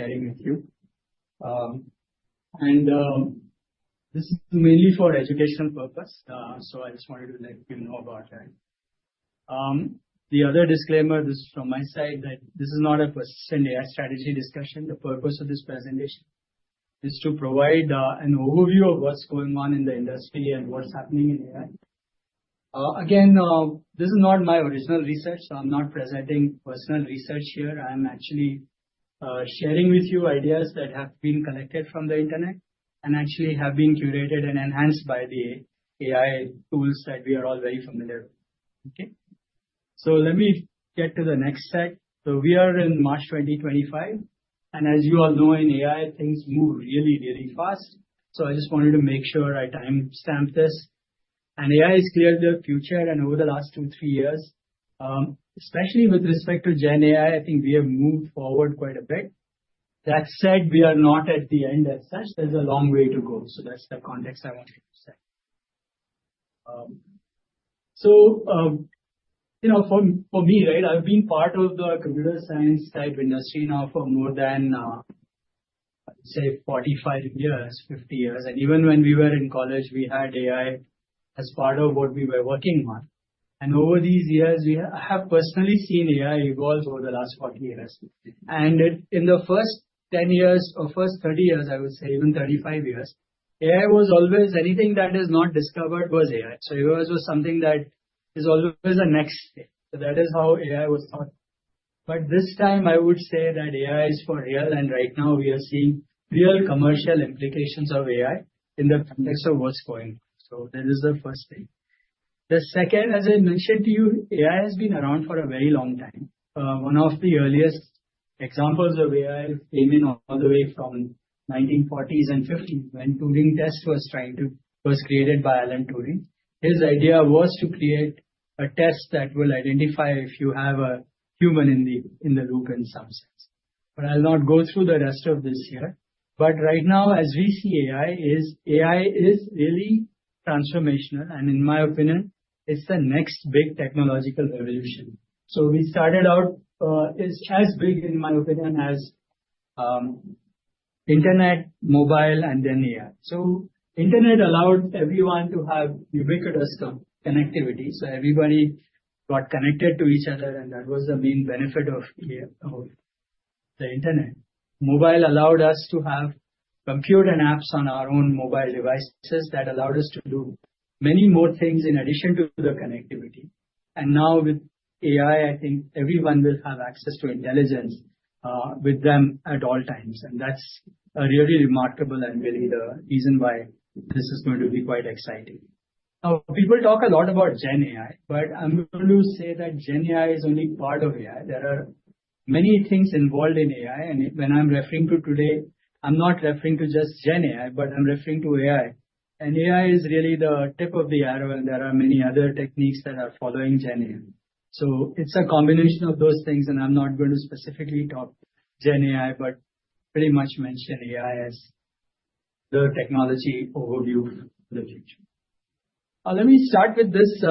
Sharing with you. And this is mainly for educational purposes, so I just wanted to let you know about that. The other disclaimer, this is from my side, that this is not a Persistent AI strategy discussion. The purpose of this presentation is to provide an overview of what's going on in the industry and what's happening in AI. Again, this is not my original research, so I'm not presenting personal research here. I'm actually sharing with you ideas that have been collected from the internet and actually have been curated and enhanced by the AI tools that we are all very familiar with. Okay? So let me get to the next slide. So we are in March 2025. And as you all know, in AI, things move really, really fast. So I just wanted to make sure I timestamp this. And AI is clearly the future. And over the last two, three years, especially with respect to GenAI, I think we have moved forward quite a bit. That said, we are not at the end as such. There's a long way to go. So that's the context I wanted to say. So for me, right, I've been part of the computer science type industry now for more than, I'd say, 45 years, 50 years. And even when we were in college, we had AI as part of what we were working on. And over these years, I have personally seen AI evolve over the last 40 years. And in the first 10 years or first 30 years, I would say, even 35 years, AI was always anything that is not discovered was AI. So it was something that is always a next thing. So that is how AI was thought. But this time, I would say that AI is for real. And right now, we are seeing real commercial implications of AI in the context of what's going on. So that is the first thing. The second, as I mentioned to you, AI has been around for a very long time. One of the earliest examples of AI came in all the way from the 1940s and 1950s when Turing Test was created by Alan Turing. His idea was to create a test that will identify if you have a human in the loop in some sense. But I'll not go through the rest of this here. But right now, as we see AI, AI is really transformational. And in my opinion, it's the next big technological revolution. So we started out as big, in my opinion, as internet, mobile, and then AI. The internet allowed everyone to have ubiquitous connectivity. Everybody got connected to each other. That was the main benefit of the internet. Mobile allowed us to have compute and apps on our own mobile devices that allowed us to do many more things in addition to the connectivity. Now with AI, I think everyone will have access to intelligence with them at all times. That's really remarkable and really the reason why this is going to be quite exciting. People talk a lot about GenAI, but I'm going to say that GenAI is only part of AI. There are many things involved in AI. When I'm referring to today, I'm not referring to just GenAI, but I'm referring to AI. AI is really the tip of the arrow. There are many other techniques that are following GenAI. So it's a combination of those things, and I'm not going to specifically talk GenAI, but pretty much mention AI as the technology overview for the future. Let me start with this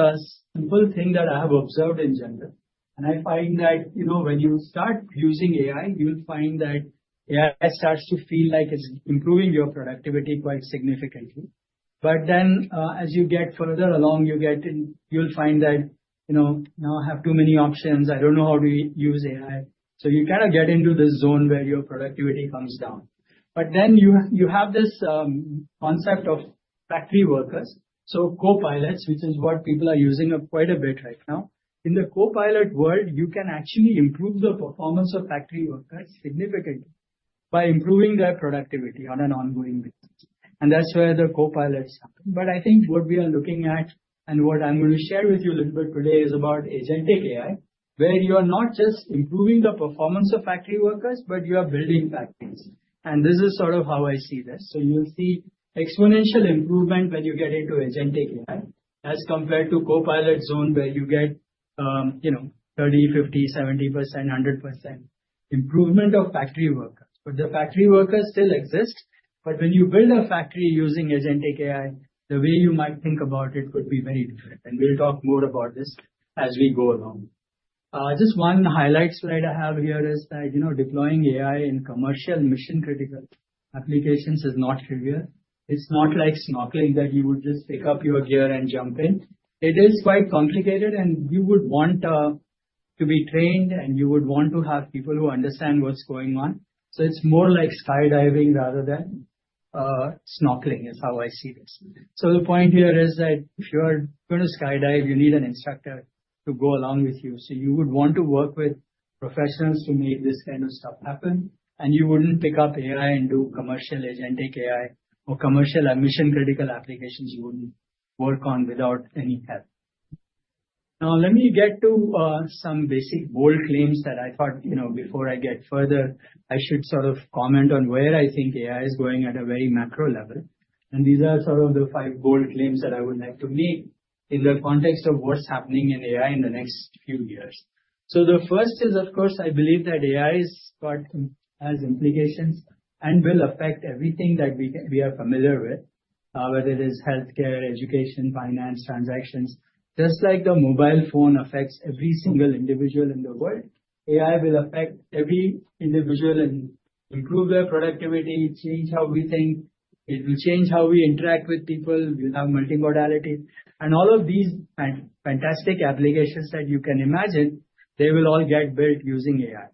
simple thing that I have observed in general, and I find that when you start using AI, you'll find that AI starts to feel like it's improving your productivity quite significantly, but then as you get further along, you'll find that now I have too many options, I don't know how to use AI, so you kind of get into this zone where your productivity comes down, but then you have this concept of factory workers, so copilots, which is what people are using quite a bit right now. In the copilot world, you can actually improve the performance of factory workers significantly by improving their productivity on an ongoing basis, and that's where the copilots happen. But I think what we are looking at and what I'm going to share with you a little bit today is about agentic AI, where you are not just improving the performance of factory workers, but you are building factories. And this is sort of how I see this. So you'll see exponential improvement when you get into agentic AI as compared to copilot zone where you get 30%, 50%, 70%, 100% improvement of factory workers. But the factory workers still exist. But when you build a factory using agentic AI, the way you might think about it could be very different. And we'll talk more about this as we go along. Just one highlight slide I have here is that deploying AI in commercial mission-critical applications is not trivial. It's not like snorkeling that you would just pick up your gear and jump in. It is quite complicated. You would want to be trained. You would want to have people who understand what's going on. It's more like skydiving rather than snorkeling is how I see this. The point here is that if you are going to skydive, you need an instructor to go along with you. You would want to work with professionals to make this kind of stuff happen. You wouldn't pick up AI and do commercial agentic AI or commercial mission-critical applications you wouldn't work on without any help. Now, let me get to some basic bold claims that I thought before I get further, I should sort of comment on where I think AI is going at a very macro level. And these are sort of the five bold claims that I would like to make in the context of what's happening in AI in the next few years. So the first is, of course, I believe that AI has implications and will affect everything that we are familiar with, whether it is healthcare, education, finance, transactions. Just like the mobile phone affects every single individual in the world, AI will affect every individual and improve their productivity, change how we think. It will change how we interact with people. We'll have multimodality. And all of these fantastic applications that you can imagine, they will all get built using AI.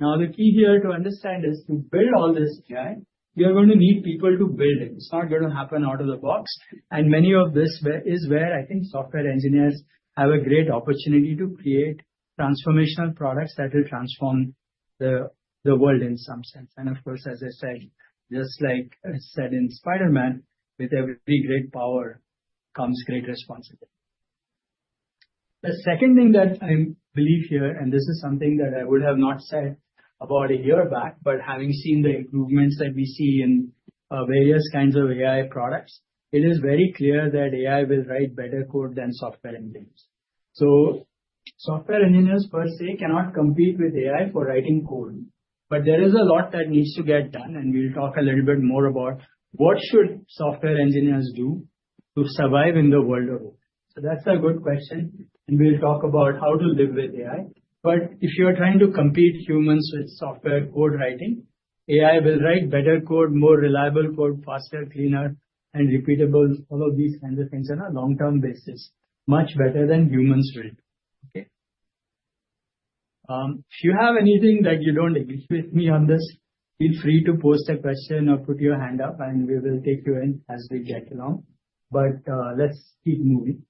Now, the key here to understand is to build all this AI, you're going to need people to build it. It's not going to happen out of the box. Many of this is where I think software engineers have a great opportunity to create transformational products that will transform the world in some sense. Of course, as I said, just like I said in Spider-Man, with every great power comes great responsibility. The second thing that I believe here, and this is something that I would have not said about a year back, but having seen the improvements that we see in various kinds of AI products, it is very clear that AI will write better code than software engineers. Software engineers, per se, cannot compete with AI for writing code. But there is a lot that needs to get done. We'll talk a little bit more about what should software engineers do to survive in the world of AI. That's a good question. We'll talk about how to live with AI. But if you are trying to compete humans with software code writing, AI will write better code, more reliable code, faster, cleaner, and repeatable, all of these kinds of things on a long-term basis, much better than humans will do. Okay? If you have anything that you don't agree with me on this, feel free to post a question or put your hand up. And we will take you in as we get along. But let's keep moving.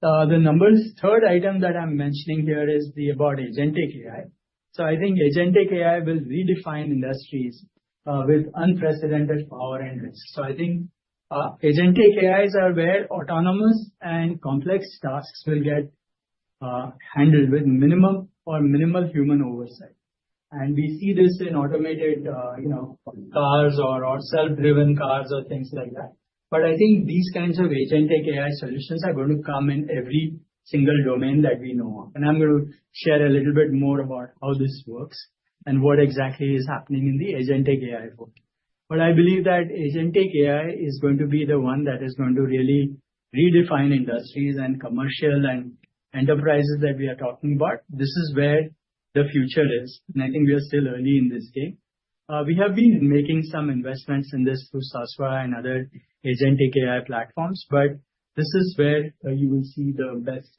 The third item that I'm mentioning here is about agentic AI. So I think agentic AI will redefine industries with unprecedented power and risk. So I think agentic AIs are where autonomous and complex tasks will get handled with minimal human oversight. And we see this in automated cars or self-driven cars or things like that. But I think these kinds of agentic AI solutions are going to come in every single domain that we know of. And I'm going to share a little bit more about how this works and what exactly is happening in the agentic AI world. But I believe that agentic AI is going to be the one that is going to really redefine industries and commercial and enterprises that we are talking about. This is where the future is. And I think we are still early in this game. We have been making some investments in this through Sasva and other agentic AI platforms. But this is where you will see the best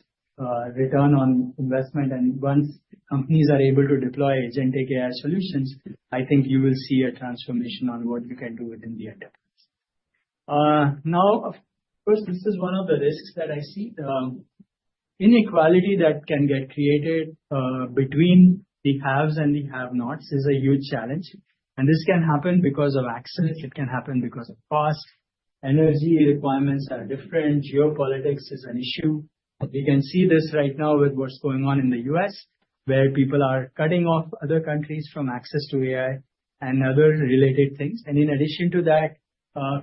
return on investment. And once companies are able to deploy agentic AI solutions, I think you will see a transformation on what you can do within the enterprise. Now, of course, this is one of the risks that I see. Inequality that can get created between the haves and the have-nots is a huge challenge. And this can happen because of access. It can happen because of cost. Energy requirements are different. Geopolitics is an issue. We can see this right now with what's going on in the U.S., where people are cutting off other countries from access to AI and other related things. And in addition to that,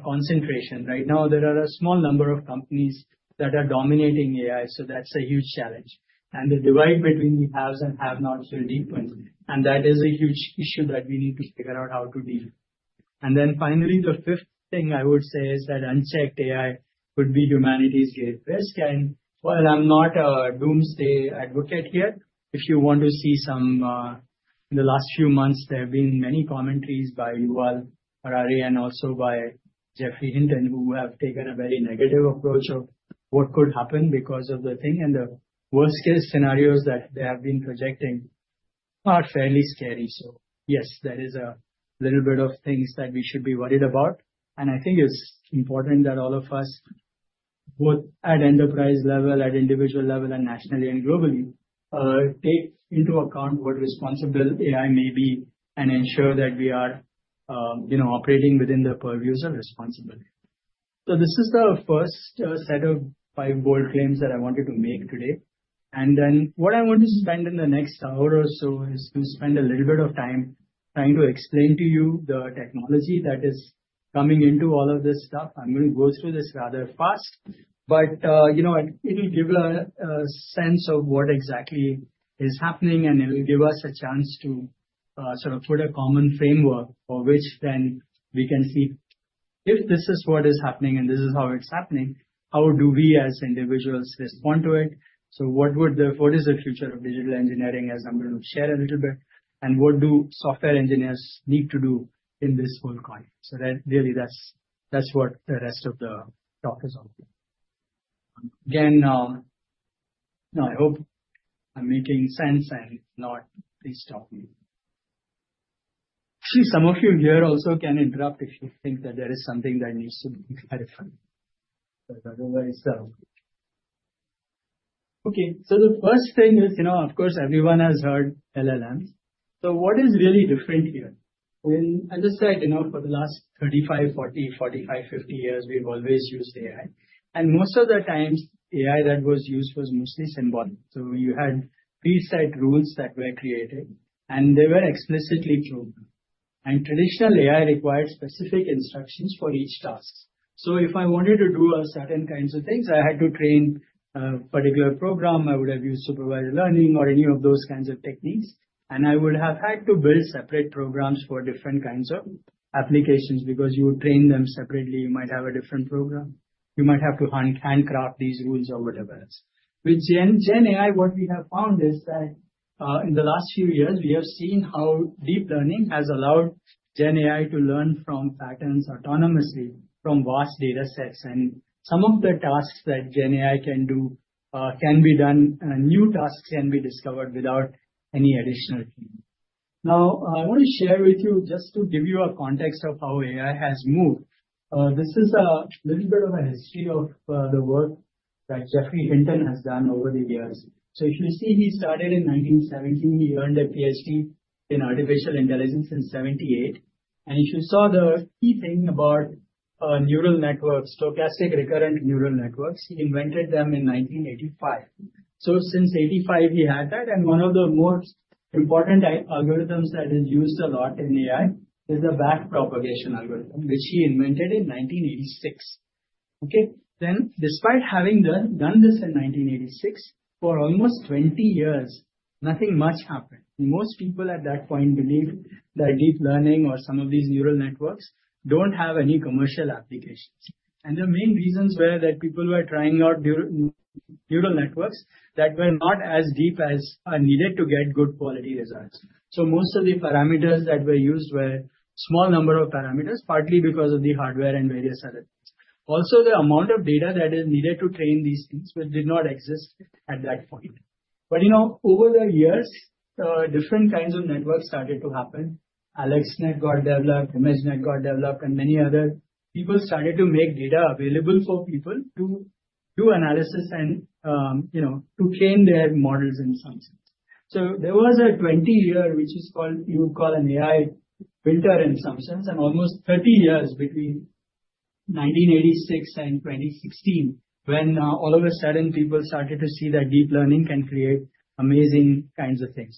concentration. Right now, there are a small number of companies that are dominating AI. So that's a huge challenge. And the divide between the haves and have-nots will deepen. And that is a huge issue that we need to figure out how to deal. And then finally, the fifth thing I would say is that unchecked AI could be humanity's great risk. While I'm not a doomsday advocate here, if you want to see some in the last few months, there have been many commentaries by Yuval Harari and also by Geoffrey Hinton, who have taken a very negative approach of what could happen because of the thing. The worst-case scenarios that they have been projecting are fairly scary. Yes, that is a little bit of things that we should be worried about. I think it's important that all of us, both at enterprise level, at individual level, and nationally and globally, take into account what responsible AI may be and ensure that we are operating within the purviews of responsibility. This is the first set of five bold claims that I wanted to make today. And then what I want to spend in the next hour or so is to spend a little bit of time trying to explain to you the technology that is coming into all of this stuff. I'm going to go through this rather fast. But it will give a sense of what exactly is happening. And it will give us a chance to sort of put a common framework for which then we can see if this is what is happening and this is how it's happening, how do we as individuals respond to it. So what is the future of digital engineering, as I'm going to share a little bit? And what do software engineers need to do in this whole context? So really, that's what the rest of the talk is all about. Again, I hope I'm making sense and not distorting. Actually, some of you here also can interrupt if you think that there is something that needs to be clarified. Okay, so the first thing is, of course, everyone has heard LLMs, so what is really different here?, and as I said, for the last 35, 40, 45, 50 years, we've always used AI, and most of the times, AI that was used was mostly symbolic, so you had preset rules that were created, and they were explicitly programmed, and traditional AI required specific instructions for each task, so if I wanted to do certain kinds of things, I had to train a particular program. I would have used supervised learning or any of those kinds of techniques, and I would have had to build separate programs for different kinds of applications because you would train them separately. You might have a different program. You might have to handcraft these rules or whatever else. With GenAI, what we have found is that in the last few years, we have seen how deep learning has allowed GenAI to learn from patterns autonomously from vast datasets. And some of the tasks that GenAI can do can be done. New tasks can be discovered without any additional training. Now, I want to share with you just to give you a context of how AI has moved. This is a little bit of a history of the work that Geoffrey Hinton has done over the years. So if you see, he started in 1970. He earned a PhD in artificial intelligence in 1978. And if you saw the key thing about neural networks, stochastic recurrent neural networks, he invented them in 1985. So since 1985, he had that. And one of the most important algorithms that is used a lot in AI is the backpropagation algorithm, which he invented in 1986. Okay. Then despite having done this in 1986, for almost 20 years, nothing much happened. Most people at that point believed that deep learning or some of these neural networks don't have any commercial applications. And the main reasons were that people were trying out neural networks that were not as deep as needed to get good quality results. So most of the parameters that were used were a small number of parameters, partly because of the hardware and various other things. Also, the amount of data that is needed to train these things did not exist at that point. But over the years, different kinds of networks started to happen. AlexNet got developed, ImageNet got developed, and many other people started to make data available for people to do analysis and to train their models in some sense, so there was a 20-year which is called you would call an AI winter in some sense, and almost 30 years between 1986 and 2016 when all of a sudden, people started to see that deep learning can create amazing kinds of things,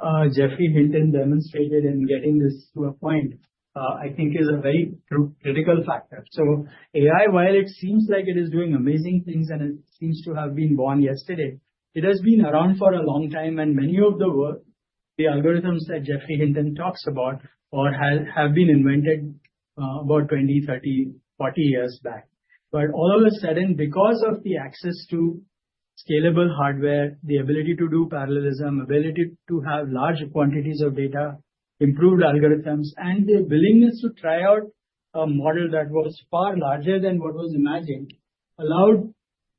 so the kind of persistence that Geoffrey Hinton demonstrated in getting this to a point, I think, is a very critical factor, so AI, while it seems like it is doing amazing things and it seems to have been born yesterday, it has been around for a long time, and many of the work, the algorithms that Geoffrey Hinton talks about, have been invented about 20, 30, 40 years back. But all of a sudden, because of the access to scalable hardware, the ability to do parallelism, ability to have large quantities of data, improved algorithms, and the willingness to try out a model that was far larger than what was imagined allowed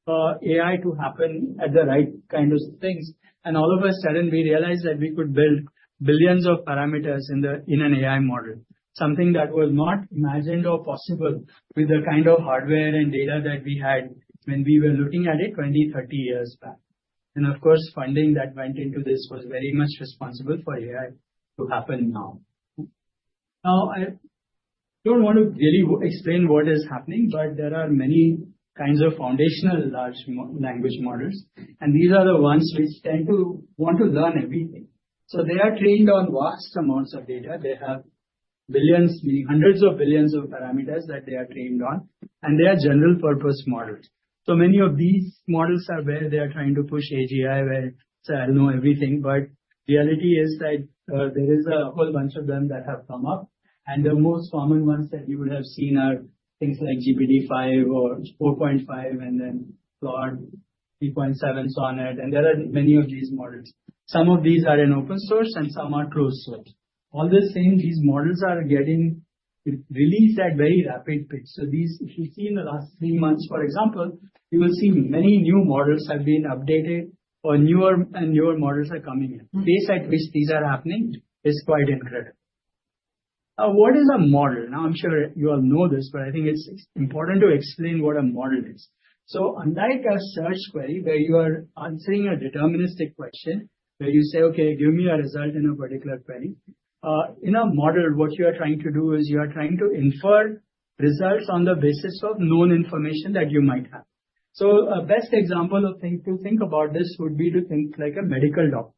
AI to happen at the right kind of things, and all of a sudden, we realized that we could build billions of parameters in an AI model, something that was not imagined or possible with the kind of hardware and data that we had when we were looking at it 20, 30 years back, and of course, funding that went into this was very much responsible for AI to happen now. Now, I don't want to really explain what is happening, but there are many kinds of foundational large language models, and these are the ones which tend to want to learn everything. They are trained on vast amounts of data. They have hundreds of billions of parameters that they are trained on. They are general-purpose models. Many of these models are where they are trying to push AGI, where it's like, "I'll know everything." But the reality is that there is a whole bunch of them that have come up. The most common ones that you would have seen are things like GPT-5 or 4.5 and then Claude 3.7 Sonnet. There are many of these models. Some of these are in open source, and some are closed source. All the same, these models are getting released at very rapid pace. If you see in the last three months, for example, you will see many new models have been updated, or newer and newer models are coming in. The pace at which these are happening is quite incredible. Now, what is a model? Now, I'm sure you all know this, but I think it's important to explain what a model is, so unlike a search query where you are answering a deterministic question, where you say, "Okay, give me a result in a particular query," in a model, what you are trying to do is you are trying to infer results on the basis of known information that you might have, so a best example of thinking about this would be to think like a medical doctor,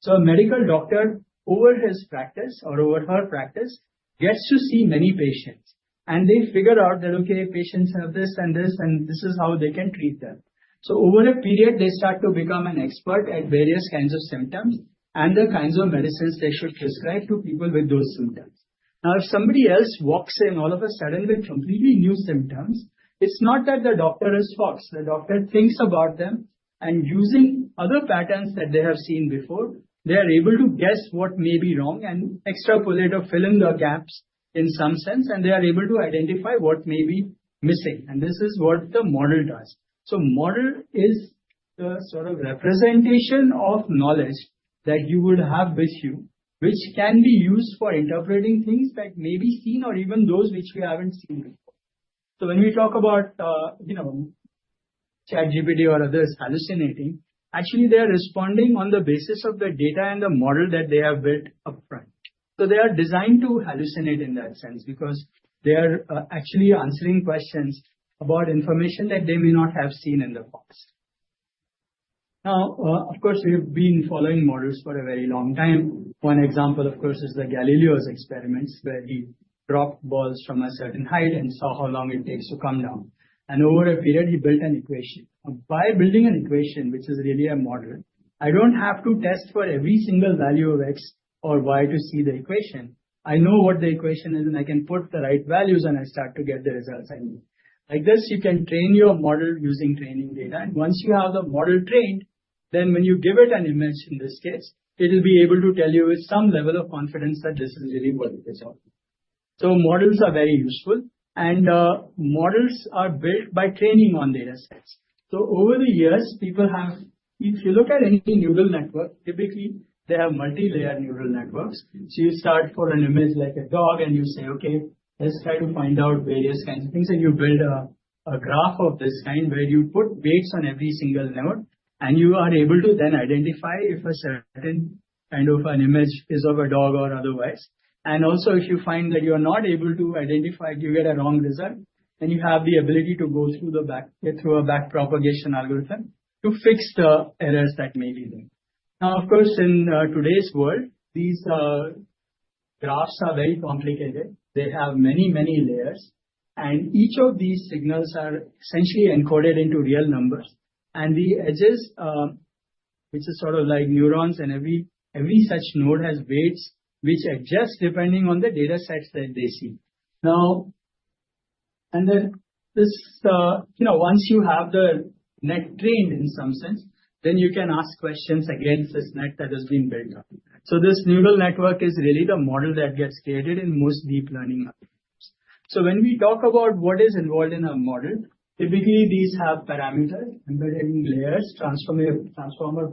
so a medical doctor, over his practice or over her practice, gets to see many patients, and they figure out that, okay, patients have this and this, and this is how they can treat them. So over a period, they start to become an expert at various kinds of symptoms and the kinds of medicines they should prescribe to people with those symptoms. Now, if somebody else walks in all of a sudden with completely new symptoms, it's not that the doctor is false. The doctor thinks about them. And using other patterns that they have seen before, they are able to guess what may be wrong and extrapolate or fill in the gaps in some sense. And they are able to identify what may be missing. And this is what the model does. So model is the sort of representation of knowledge that you would have with you, which can be used for interpreting things that may be seen or even those which we haven't seen before. When we talk about ChatGPT or others hallucinating, actually, they are responding on the basis of the data and the model that they have built upfront. So they are designed to hallucinate in that sense because they are actually answering questions about information that they may not have seen in the past. Now, of course, we have been following models for a very long time. One example, of course, is Galileo's experiments where he dropped balls from a certain height and saw how long it takes to come down, and over a period, he built an equation. By building an equation, which is really a model, I don't have to test for every single value of X or Y to see the equation. I know what the equation is, and I can put the right values, and I start to get the results I need. Like this, you can train your model using training data. And once you have the model trained, then when you give it an image, in this case, it'll be able to tell you with some level of confidence that this is really what it is all about. So models are very useful. And models are built by training on datasets. So over the years, people have, if you look at any neural network, typically, they have multi-layer neural networks. So you start for an image like a dog, and you say, "Okay, let's try to find out various kinds of things." And you build a graph of this kind where you put weights on every single node. And you are able to then identify if a certain kind of an image is of a dog or otherwise. Also, if you find that you are not able to identify, you get a wrong result. Then you have the ability to go through a backpropagation algorithm to fix the errors that may be there. Now, of course, in today's world, these graphs are very complicated. They have many, many layers. Each of these signals is essentially encoded into real numbers. The edges, which are sort of like neurons, and every such node has weights which adjust depending on the datasets that they see. Now, then once you have the net trained in some sense, you can ask questions against this net that has been built up. This neural network is really the model that gets created in most deep learning algorithms. So when we talk about what is involved in a model, typically, these have parameters, embedding layers, transformer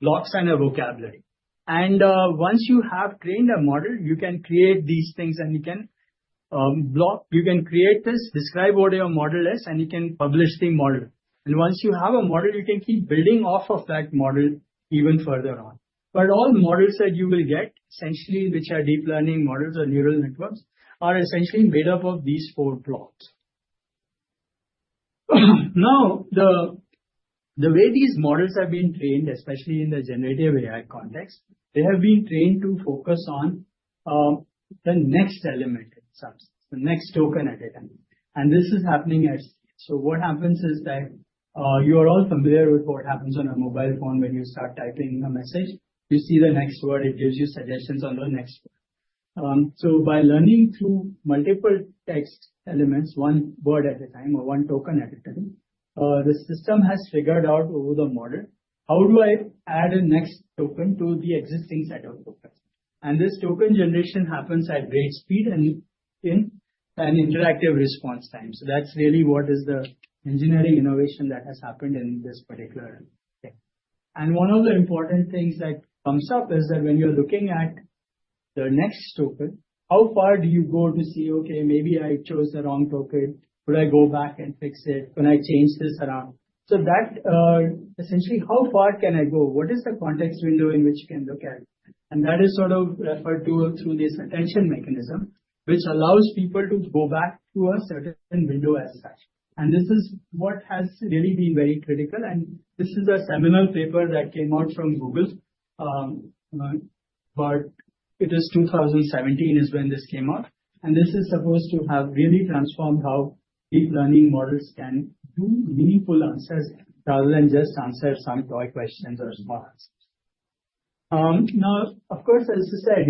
blocks, and a vocabulary. And once you have trained a model, you can create these things. And you can create this, describe what your model is, and you can publish the model. And once you have a model, you can keep building off of that model even further on. But all models that you will get, essentially, which are deep learning models or neural networks, are essentially made up of these four blocks. Now, the way these models have been trained, especially in the generative AI context, they have been trained to focus on the next element in some sense, the next token at a time. And this is happening at scale. So what happens is that you are all familiar with what happens on a mobile phone when you start typing a message. You see the next word. It gives you suggestions on the next word. So by learning through multiple text elements, one word at a time or one token at a time, the system has figured out over the model, how do I add a next token to the existing set of tokens? And this token generation happens at great speed and in an interactive response time. So that's really what is the engineering innovation that has happened in this particular thing. And one of the important things that comes up is that when you're looking at the next token, how far do you go to see, okay, maybe I chose the wrong token. Could I go back and fix it? Can I change this around? So that essentially, how far can I go? What is the context window in which you can look at? And that is sort of referred to through this attention mechanism, which allows people to go back to a certain window as such. And this is what has really been very critical. And this is a seminal paper that came out from Google. But it is 2017, is when this came out. And this is supposed to have really transformed how deep learning models can do meaningful answers rather than just answer some toy questions or small answers. Now, of course, as I said,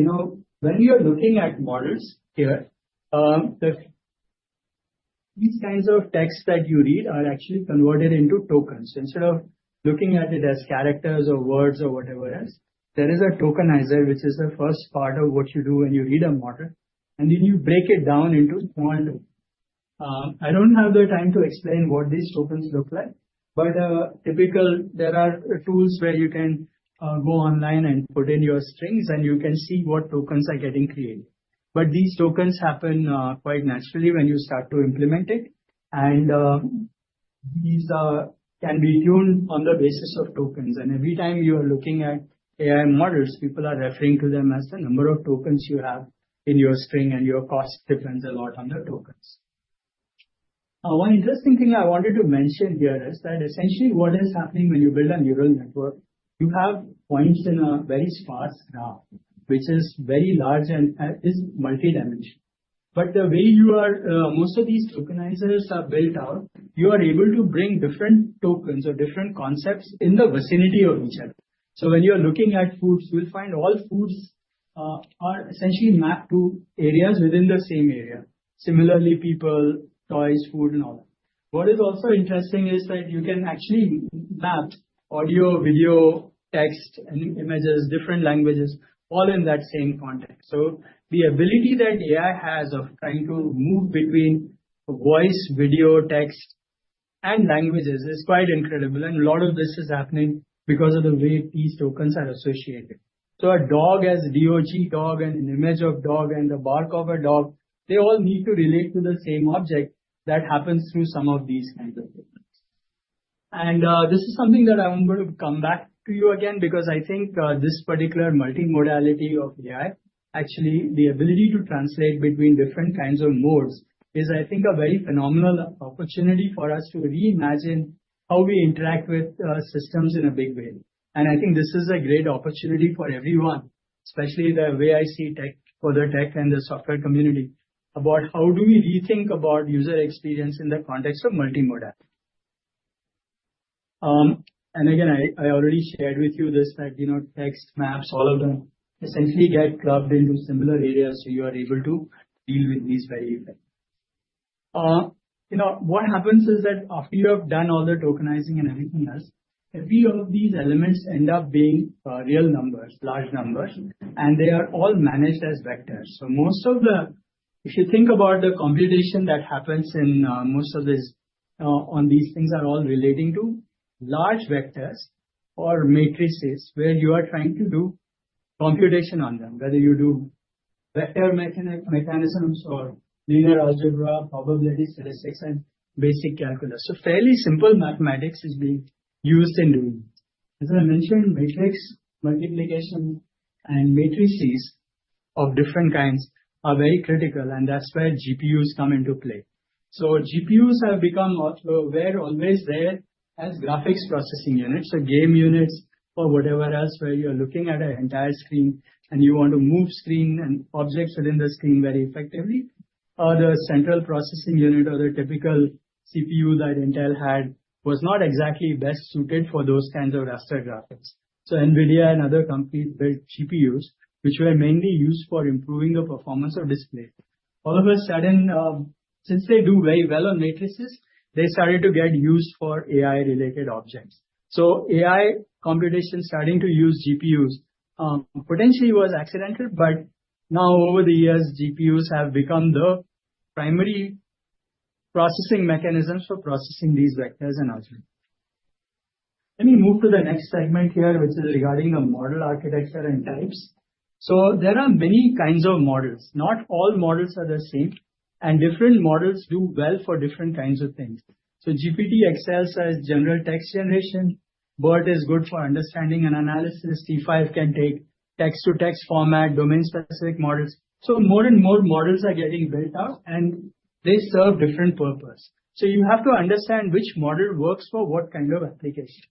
when you're looking at models here, these kinds of texts that you read are actually converted into tokens. Instead of looking at it as characters or words or whatever else, there is a tokenizer, which is the first part of what you do when you read a model. And then you break it down into small tokens. I don't have the time to explain what these tokens look like. But typically, there are tools where you can go online and put in your strings, and you can see what tokens are getting created. But these tokens happen quite naturally when you start to implement it. And these can be tuned on the basis of tokens. And every time you are looking at AI models, people are referring to them as the number of tokens you have in your string. And your cost depends a lot on the tokens. Now, one interesting thing I wanted to mention here is that essentially, what is happening when you build a neural network, you have points in a very sparse graph, which is very large and is multi-dimensional. But the way most of these tokenizers are built out, you are able to bring different tokens or different concepts in the vicinity of each other. So when you're looking at foods, you'll find all foods are essentially mapped to areas within the same area. Similarly, people, toys, food, and all that. What is also interesting is that you can actually map audio, video, text, and images, different languages, all in that same context. So the ability that AI has of trying to move between voice, video, text, and languages is quite incredible, and a lot of this is happening because of the way these tokens are associated. So a dog as DOG, dog, and an image of dog, and the bark of a dog, they all need to relate to the same object that happens through some of these kinds of tokens. And this is something that I want to come back to you again because I think this particular multimodality of AI, actually, the ability to translate between different kinds of modes is, I think, a very phenomenal opportunity for us to reimagine how we interact with systems in a big way. And I think this is a great opportunity for everyone, especially the way I see tech for the tech and the software community about how do we rethink about user experience in the context of multimodality. And again, I already shared with you this that text, maps, all of them essentially get clubbed into similar areas. So you are able to deal with these very effectively. What happens is that after you have done all the tokenizing and everything else, every of these elements end up being real numbers, large numbers. And they are all managed as vectors. So most of the, if you think about the computation that happens in most of these things are all relating to large vectors or matrices where you are trying to do computation on them, whether you do vector mechanisms or linear algebra, probability statistics, and basic calculus. So fairly simple mathematics is being used in doing this. As I mentioned, matrix multiplication and matrices of different kinds are very critical. And that's where GPUs come into play. GPUs have become also what always were there as graphics processing units, so game units or whatever else where you're looking at an entire screen and you want to move screen and objects within the screen very effectively. The central processing unit or the typical CPU that Intel had was not exactly best suited for those kinds of raster graphics. NVIDIA and other companies built GPUs, which were mainly used for improving the performance of display. All of a sudden, since they do very well on matrices, they started to get used for AI-related objects. AI computation starting to use GPUs potentially was accidental. But now, over the years, GPUs have become the primary processing mechanisms for processing these vectors and algorithms. Let me move to the next segment here, which is regarding the model architecture and types. There are many kinds of models. Not all models are the same. And different models do well for different kinds of things. So GPT excels as general text generation. BERT is good for understanding and analysis. T5 can take text-to-text format, domain-specific models. So more and more models are getting built out. And they serve different purposes. So you have to understand which model works for what kind of application.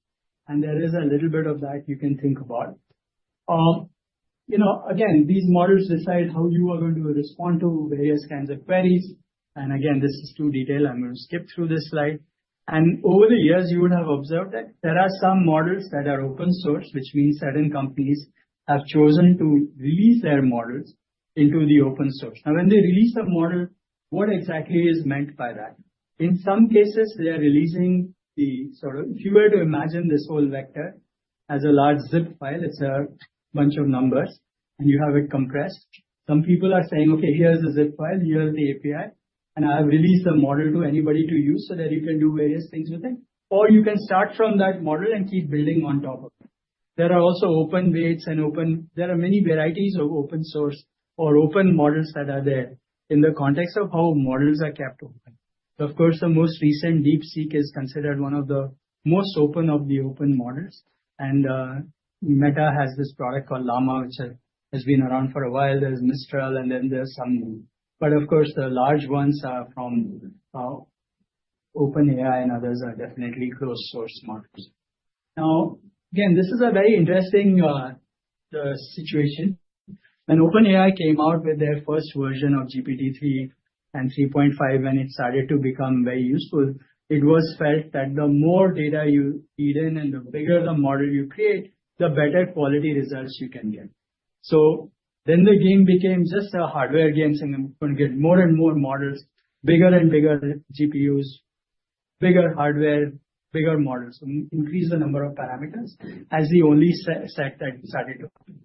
And there is a little bit of that you can think about. Again, these models decide how you are going to respond to various kinds of queries. And again, this is too detailed. I'm going to skip through this slide. And over the years, you would have observed that there are some models that are open source, which means certain companies have chosen to release their models into the open source. Now, when they release a model, what exactly is meant by that? In some cases, they are releasing the sort of, if you were to imagine this whole vector as a large zip file, it's a bunch of numbers and you have it compressed. Some people are saying, "Okay, here's the zip file. Here's the API," and I have released a model to anybody to use so that you can do various things with it. Or you can start from that model and keep building on top of it. There are also open weights and open, there are many varieties of open source or open models that are there in the context of how models are kept open. Of course, the most recent DeepSeek is considered one of the most open of the open models, and Meta has this product called Llama, which has been around for a while. There's Mistral, and then there's some new. But of course, the large ones are from OpenAI, and others are definitely closed-source models. Now, again, this is a very interesting situation. When OpenAI came out with their first version of GPT-3 and 3.5, when it started to become very useful, it was felt that the more data you feed in and the bigger the model you create, the better quality results you can get. So then the game became just a hardware game. So you're going to get more and more models, bigger and bigger GPUs, bigger hardware, bigger models. Increase the number of parameters as the only set that started to appear.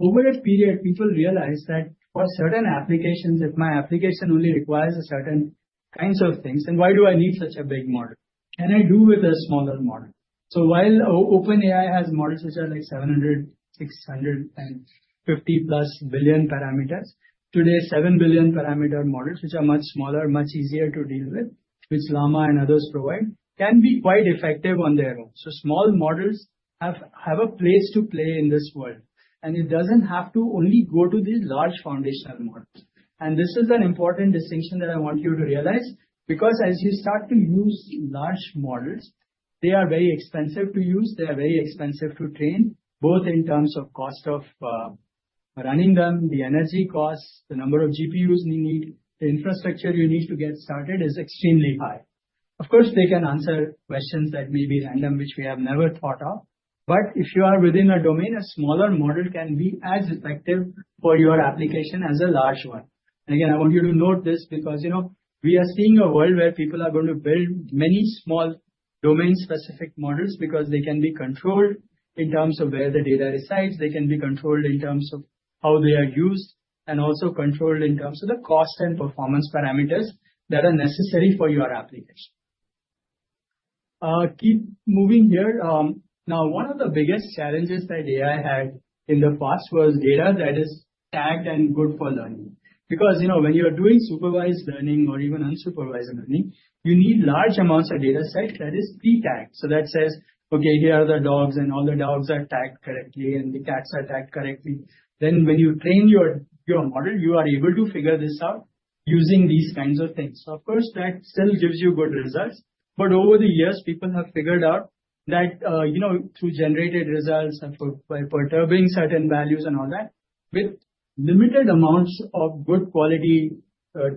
Over a period, people realized that for certain applications, if my application only requires a certain kinds of things, then why do I need such a big model? Can I do with a smaller model? While OpenAI has models which are like 700, 650 plus billion parameters, today 7 billion parameter models, which are much smaller, much easier to deal with, which Llama and others provide, can be quite effective on their own. Small models have a place to play in this world. It doesn't have to only go to these large foundational models. This is an important distinction that I want you to realize. Because as you start to use large models, they are very expensive to use. They are very expensive to train, both in terms of cost of running them, the energy costs, the number of GPUs you need, the infrastructure you need to get started is extremely high. Of course, they can answer questions that may be random, which we have never thought of. But if you are within a domain, a smaller model can be as effective for your application as a large one. And again, I want you to note this because we are seeing a world where people are going to build many small domain-specific models because they can be controlled in terms of where the data resides. They can be controlled in terms of how they are used and also controlled in terms of the cost and performance parameters that are necessary for your application. Keep moving here. Now, one of the biggest challenges that AI had in the past was data that is tagged and good for learning. Because when you're doing supervised learning or even unsupervised learning, you need large amounts of data set that is pre-tagged. So that says, "Okay, here are the dogs, and all the dogs are tagged correctly, and the cats are tagged correctly." Then when you train your model, you are able to figure this out using these kinds of things. So of course, that still gives you good results. But over the years, people have figured out that through generated results by perturbing certain values and all that, with limited amounts of good quality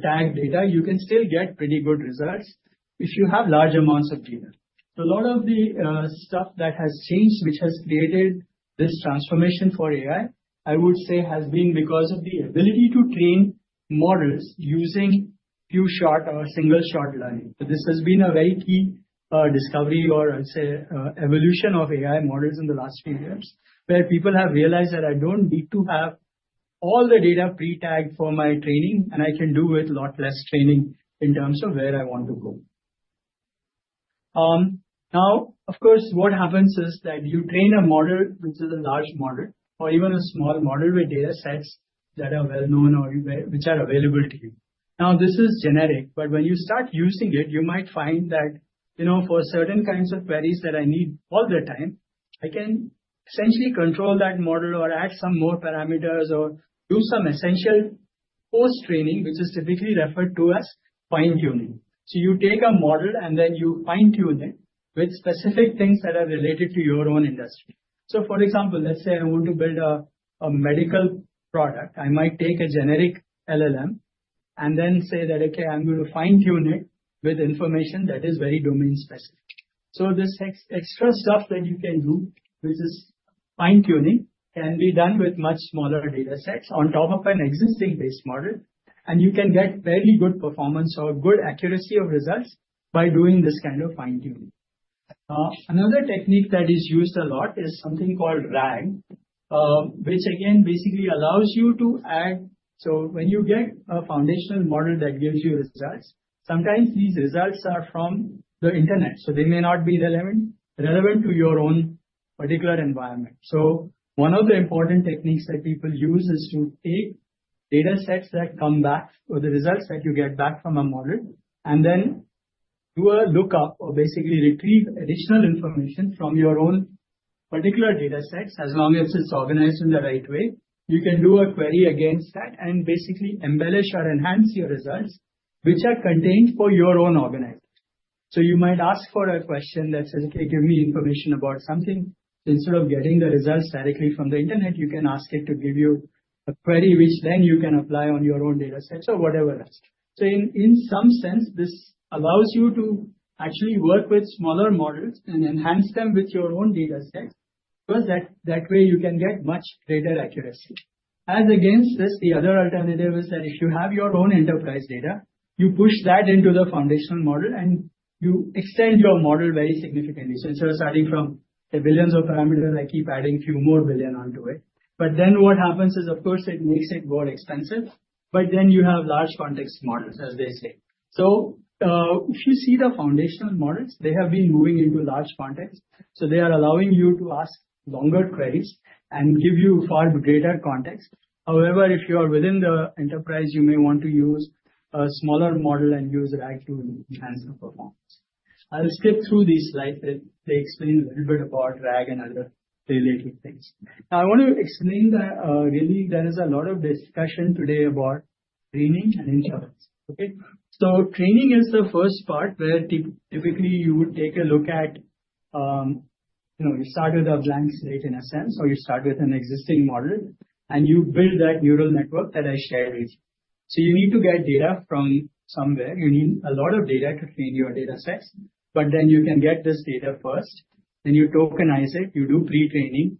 tagged data, you can still get pretty good results if you have large amounts of data. So a lot of the stuff that has changed, which has created this transformation for AI, I would say has been because of the ability to train models using few-shot or single-shot learning. This has been a very key discovery or, I'd say, evolution of AI models in the last few years where people have realized that I don't need to have all the data pre-tagged for my training, and I can do with a lot less training in terms of where I want to go. Now, of course, what happens is that you train a model, which is a large model, or even a small model with data sets that are well-known or which are available to you. Now, this is generic. But when you start using it, you might find that for certain kinds of queries that I need all the time, I can essentially control that model or add some more parameters or do some essential post-training, which is typically referred to as fine-tuning. So you take a model, and then you fine-tune it with specific things that are related to your own industry. So for example, let's say I want to build a medical product. I might take a generic LLM and then say that, "Okay, I'm going to fine-tune it with information that is very domain-specific." So this extra stuff that you can do, which is fine-tuning, can be done with much smaller data sets on top of an existing base model. And you can get fairly good performance or good accuracy of results by doing this kind of fine-tuning. Another technique that is used a lot is something called RAG, which again, basically allows you to add. So when you get a foundational model that gives you results, sometimes these results are from the internet. So they may not be relevant to your own particular environment. So one of the important techniques that people use is to take data sets that come back or the results that you get back from a model and then do a lookup or basically retrieve additional information from your own particular data sets. As long as it's organized in the right way, you can do a query against that and basically embellish or enhance your results, which are contained for your own organization. So you might ask for a question that says, "Okay, give me information about something." So instead of getting the results directly from the internet, you can ask it to give you a query, which then you can apply on your own data sets or whatever else. So in some sense, this allows you to actually work with smaller models and enhance them with your own data sets because that way you can get much greater accuracy. As against this, the other alternative is that if you have your own enterprise data, you push that into the foundational model and you extend your model very significantly. So instead of starting from the billions of parameters, I keep adding a few more billion onto it. But then what happens is, of course, it makes it more expensive. But then you have large context models, as they say. So if you see the foundational models, they have been moving into large context. So they are allowing you to ask longer queries and give you far greater context. However, if you are within the enterprise, you may want to use a smaller model and use RAG to enhance the performance. I'll skip through these slides. They explain a little bit about RAG and other related things. Now, I want to explain that really there is a lot of discussion today about training and intelligence. Okay. So training is the first part where typically you would take a look at, you start with a blank slate in a sense, or you start with an existing model, and you build that neural network that I shared with you. So you need to get data from somewhere. You need a lot of data to train your data sets. But then you can get this data first. Then you tokenize it. You do pre-training.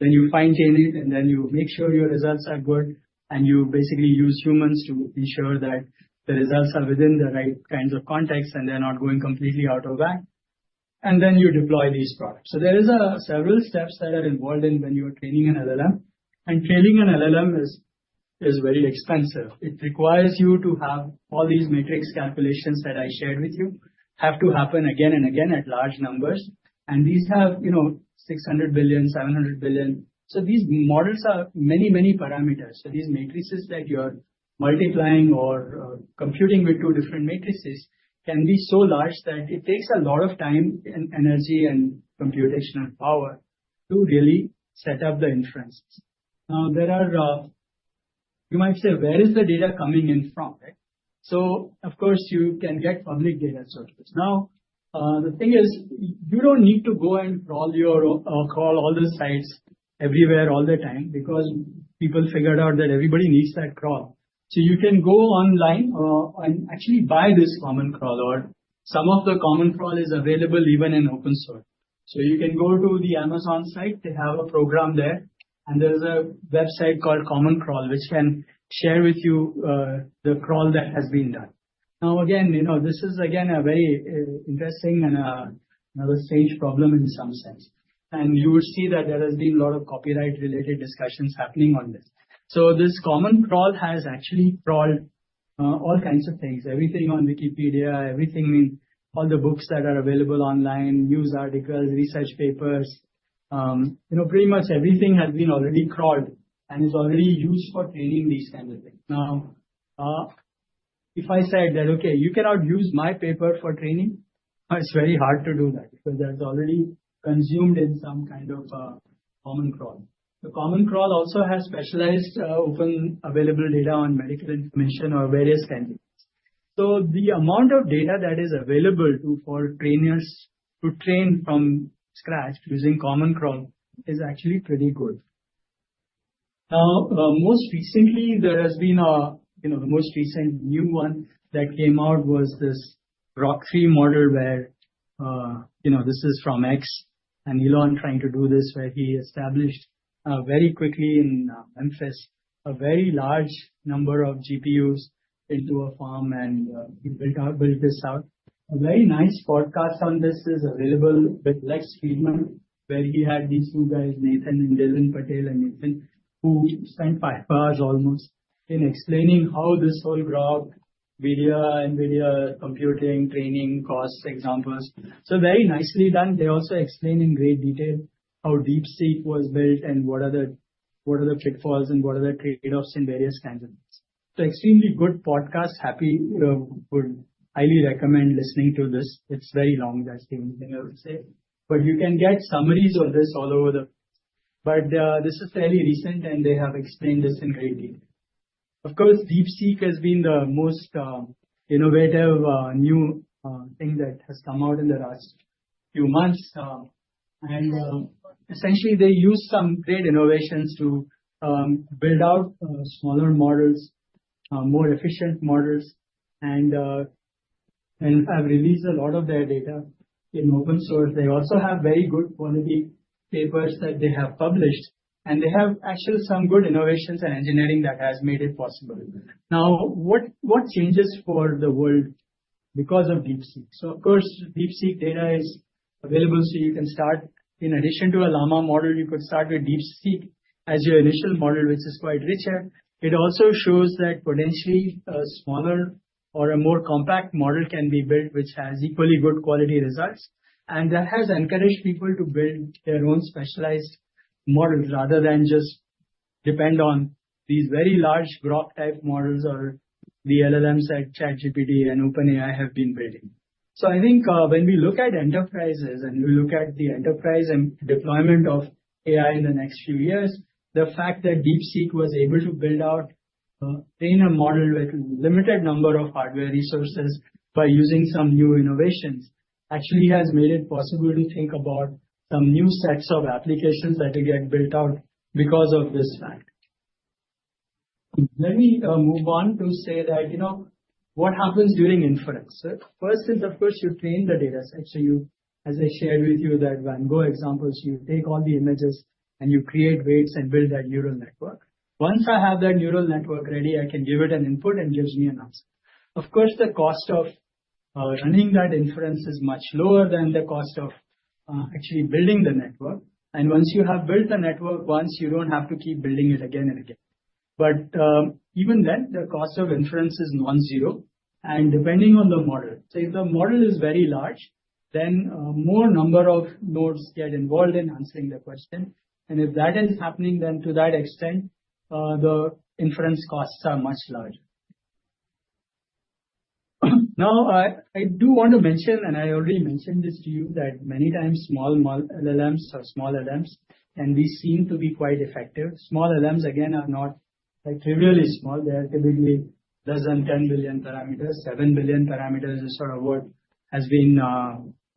Then you fine-tune it. And then you make sure your results are good. And you basically use humans to ensure that the results are within the right kinds of contexts and they're not going completely out of line. And then you deploy these products. There are several steps that are involved in when you are training an LLM. Training an LLM is very expensive. It requires you to have all these matrix calculations that I shared with you have to happen again and again at large numbers. These have 600 billion, 700 billion. These models are many, many parameters. These matrices that you're multiplying or computing with two different matrices can be so large that it takes a lot of time and energy and computational power to really set up the inferences. Now, you might say, where is the data coming in from? Of course, you can get public data sources. The thing is, you don't need to go and crawl all the sites everywhere all the time because people figured out that everybody needs that crawl. You can go online and actually buy this Common Crawl, or some of the Common Crawl is available even in open source. You can go to the Amazon site. They have a program there. There's a website called Common Crawl, which can share with you the crawl that has been done. Now, again, this is a very interesting and another strange problem in some sense. You would see that there has been a lot of copyright-related discussions happening on this. This Common Crawl has actually crawled all kinds of things, everything on Wikipedia, everything in all the books that are available online, news articles, research papers. Pretty much everything has been already crawled and is already used for training these kinds of things. Now, if I said that, "Okay, you cannot use my paper for training," it's very hard to do that because that's already consumed in some kind of Common Crawl. The Common Crawl also has specialized open available data on medical information or various kinds of things. So the amount of data that is available for trainers to train from scratch using Common Crawl is actually pretty good. Now, most recently, there has been the most recent new one that came out was this Grok model where this is from xAI and Elon trying to do this where he established very quickly in Memphis a very large number of GPUs into a farm and built this out. A very nice podcast on this is available with Lex Fridman, where he had these two guys, Nathan and Dylan Patel and Nathan, who spent five hours almost in explaining how this whole growth, NVIDIA computing, training, costs, examples, so very nicely done. They also explain in great detail how DeepSeek was built and what are the pitfalls and what are the trade-offs in various kinds of things, so extremely good podcast. Happy to highly recommend listening to this. It's very long, that's the only thing I would say, but you can get summaries of this all over the place, but this is fairly recent, and they have explained this in great detail. Of course, DeepSeek has been the most innovative new thing that has come out in the last few months, and essentially, they use some great innovations to build out smaller models, more efficient models. They have released a lot of their data in open source. They also have very good quality papers that they have published. They have actually some good innovations and engineering that has made it possible. Now, what changes for the world because of DeepSeek? So of course, DeepSeek data is available. So you can start in addition to a Llama model, you could start with DeepSeek as your initial model, which is quite rich here. It also shows that potentially a smaller or a more compact model can be built, which has equally good quality results. That has encouraged people to build their own specialized models rather than just depend on these very large graph-type models or the LLMs that ChatGPT and OpenAI have been building. So I think when we look at enterprises and we look at the enterprise and deployment of AI in the next few years, the fact that DeepSeek was able to build out a model with a limited number of hardware resources by using some new innovations actually has made it possible to think about some new sets of applications that will get built out because of this fact. Let me move on to say that what happens during inference. First is, of course, you train the data set. So as I shared with you that Van Gogh examples, you take all the images and you create weights and build that neural network. Once I have that neural network ready, I can give it an input and it gives me an answer. Of course, the cost of running that inference is much lower than the cost of actually building the network. Once you have built the network, once you don't have to keep building it again and again. But even then, the cost of inference is non-zero. Depending on the model, say if the model is very large, then a more number of nodes get involved in answering the question. If that is happening, then to that extent, the inference costs are much larger. Now, I do want to mention, and I already mentioned this to you, that many times small LLMs or small LLMs, and these seem to be quite effective. Small LLMs, again, are not trivially small. They are typically less than 10 billion parameters. 7 billion parameters is sort of what has been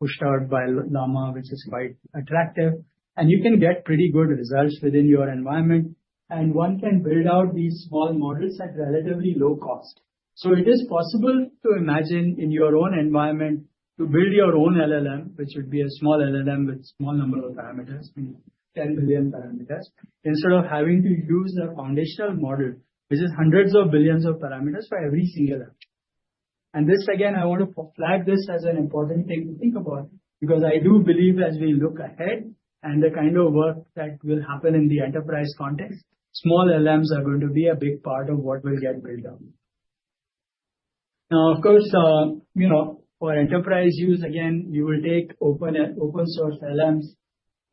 pushed out by Llama, which is quite attractive. You can get pretty good results within your environment. One can build out these small models at relatively low cost. So it is possible to imagine in your own environment to build your own LLM, which would be a small LLM with a small number of parameters, 10 billion parameters, instead of having to use a foundational model, which is hundreds of billions of parameters for every single action, and this, again, I want to flag this as an important thing to think about because I do believe as we look ahead and the kind of work that will happen in the enterprise context, small LLMs are going to be a big part of what will get built out. Now, of course, for enterprise use, again, you will take open-source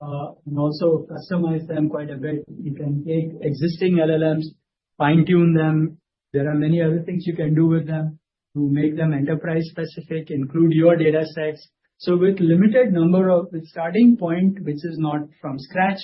LLMs and also customize them quite a bit. You can take existing LLMs, fine-tune them. There are many other things you can do with them to make them enterprise-specific, include your data sets. With a limited number of starting points, which is not from scratch,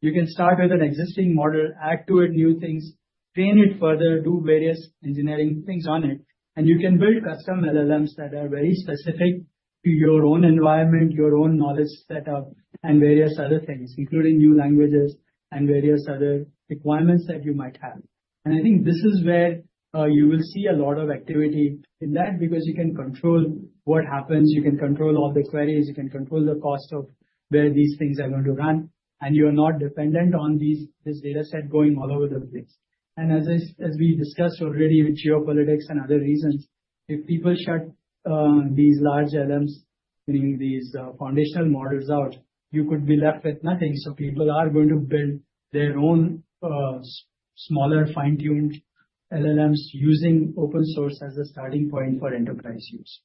you can start with an existing model, add to it new things, train it further, do various engineering things on it. You can build custom LLMs that are very specific to your own environment, your own knowledge setup, and various other things, including new languages and various other requirements that you might have. I think this is where you will see a lot of activity in that because you can control what happens. You can control all the queries. You can control the cost of where these things are going to run. You are not dependent on this data set going all over the place. As we discussed already with geopolitics and other reasons, if people shut these large LLMs, meaning these foundational models out, you could be left with nothing. People are going to build their own smaller fine-tuned LLMs using open source as a starting point for enterprise use.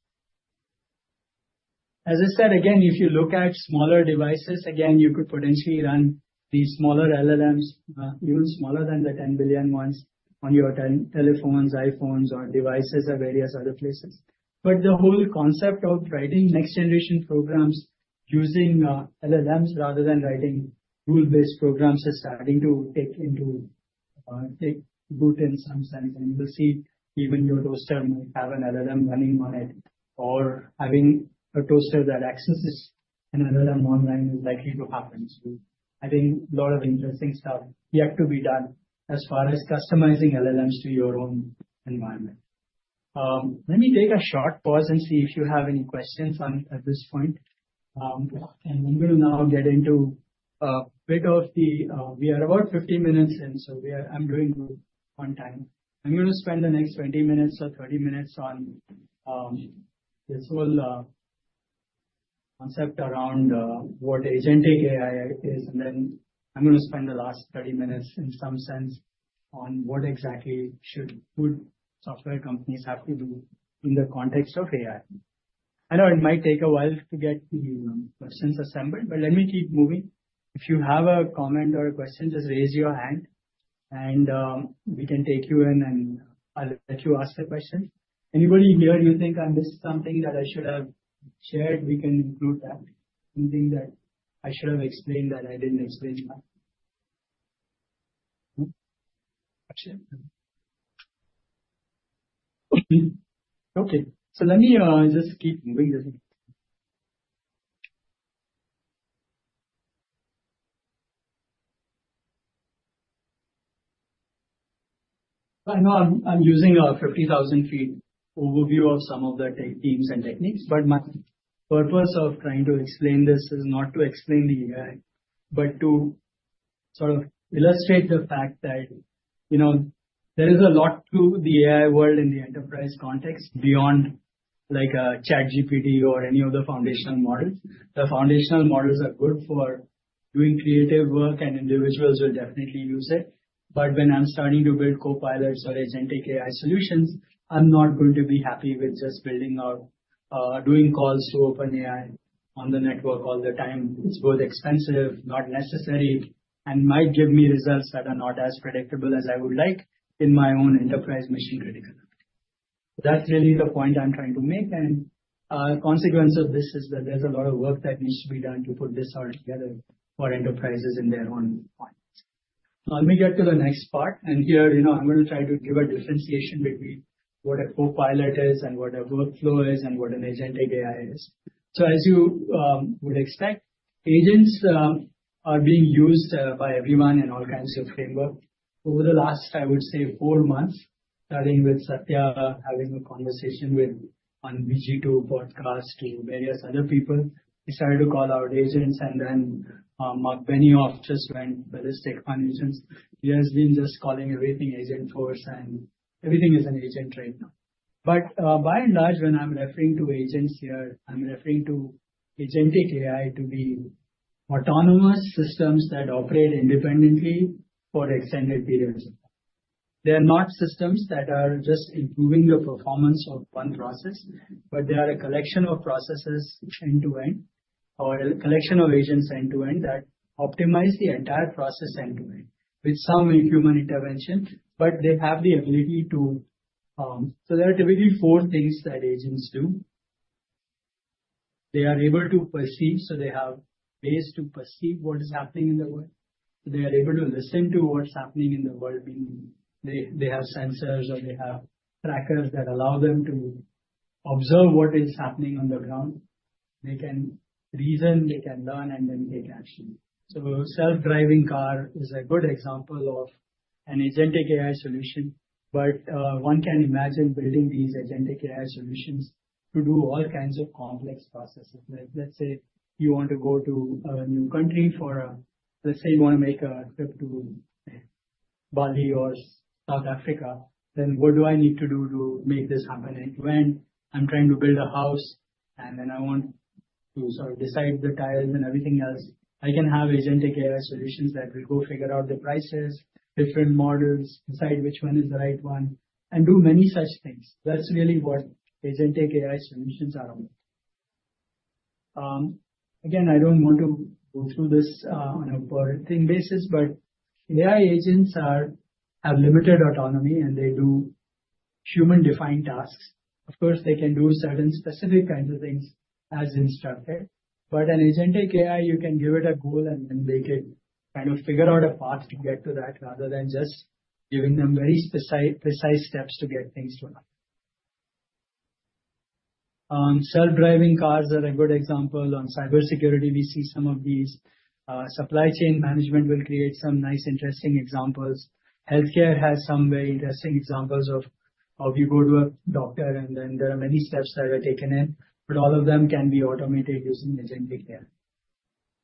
As I said, again, if you look at smaller devices, again, you could potentially run these smaller LLMs, even smaller than the 10 billion ones on your telephones, iPhones, or devices of various other places. But the whole concept of writing next-generation programs using LLMs rather than writing rule-based programs is starting to take root in some sense. You will see even your toaster might have an LLM running on it or having a toaster that accesses an LLM online is likely to happen. I think a lot of interesting stuff yet to be done as far as customizing LLMs to your own environment. Let me take a short pause and see if you have any questions at this point. I'm going to now get into a bit of the we are about 15 minutes in, so I'm doing one time. I'm going to spend the next 20 minutes or 30 minutes on this whole concept around what agentic AI is. Then I'm going to spend the last 30 minutes in some sense on what exactly should good software companies have to do in the context of AI. I know it might take a while to get the questions assembled, but let me keep moving. If you have a comment or a question, just raise your hand. We can take you in, and I'll let you ask the question. Anybody here you think I missed something that I should have shared? We can include that. Anything that I should have explained that I didn't explain? Okay. Let me just keep moving. I know I'm using a 50,000-foot overview of some of the teams and techniques. But my purpose of trying to explain this is not to explain the AI, but to sort of illustrate the fact that there is a lot to the AI world in the enterprise context beyond like a ChatGPT or any of the foundational models. The foundational models are good for doing creative work, and individuals will definitely use it. But when I'm starting to build copilots or agentic AI solutions, I'm not going to be happy with just building out, doing calls to OpenAI on the network all the time. It's both expensive, not necessary, and might give me results that are not as predictable as I would like in my own enterprise mission-critical. That's really the point I'm trying to make. And consequence of this is that there's a lot of work that needs to be done to put this all together for enterprises in their own minds. Let me get to the next part. And here, I'm going to try to give a differentiation between what a copilot is and what a workflow is and what an agentic AI is. So as you would expect, agents are being used by everyone in all kinds of frameworks. Over the last, I would say, four months, starting with Satya having a conversation on a16z podcast to various other people, he started to call out agents. And then Marc Benioff just went ballistic on agents. He has been just calling everything Agentforce, and everything is an agent right now. But by and large, when I'm referring to agents here, I'm referring to agentic AI to be autonomous systems that operate independently for extended periods of time. They are not systems that are just improving the performance of one process, but they are a collection of processes end-to-end or a collection of agents end-to-end that optimize the entire process end-to-end with some human intervention. But they have the ability to. So there are typically four things that agents do. They are able to perceive. So they have ways to perceive what is happening in the world. They are able to listen to what's happening in the world. They have sensors or they have trackers that allow them to observe what is happening on the ground. They can reason, they can learn, and then take action. So self-driving car is a good example of an agentic AI solution. But one can imagine building these agentic AI solutions to do all kinds of complex processes. Let's say you want to go to a new country for a, let's say you want to make a trip to Bali or South Africa, then what do I need to do to make this happen? And when I'm trying to build a house and then I want to sort of decide the tiles and everything else, I can have agentic AI solutions that will go figure out the prices, different models, decide which one is the right one, and do many such things. That's really what agentic AI solutions are about. Again, I don't want to go through this on a per thing basis, but AI agents have limited autonomy, and they do human-defined tasks. Of course, they can do certain specific kinds of things as instructed. But an agentic AI, you can give it a goal and then they can kind of figure out a path to get to that rather than just giving them very precise steps to get things done. Self-driving cars are a good example. On cybersecurity, we see some of these supply chain management will create some nice interesting examples. Healthcare has some very interesting examples of you go to a doctor and then there are many steps that are taken in, but all of them can be automated using agentic AI.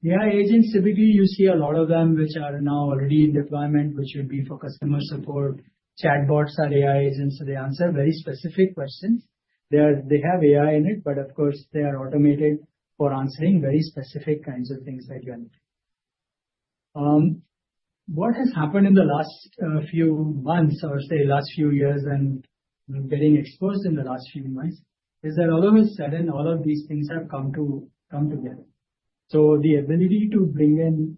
AI agents, typically you see a lot of them which are now already in deployment, which would be for customer support. Chatbots are AI agents. They answer very specific questions. They have AI in it, but of course, they are automated for answering very specific kinds of things that you are looking for. What has happened in the last few months, or say last few years, and getting exposed in the last few months is that all of a sudden, all of these things have come together. The ability to bring in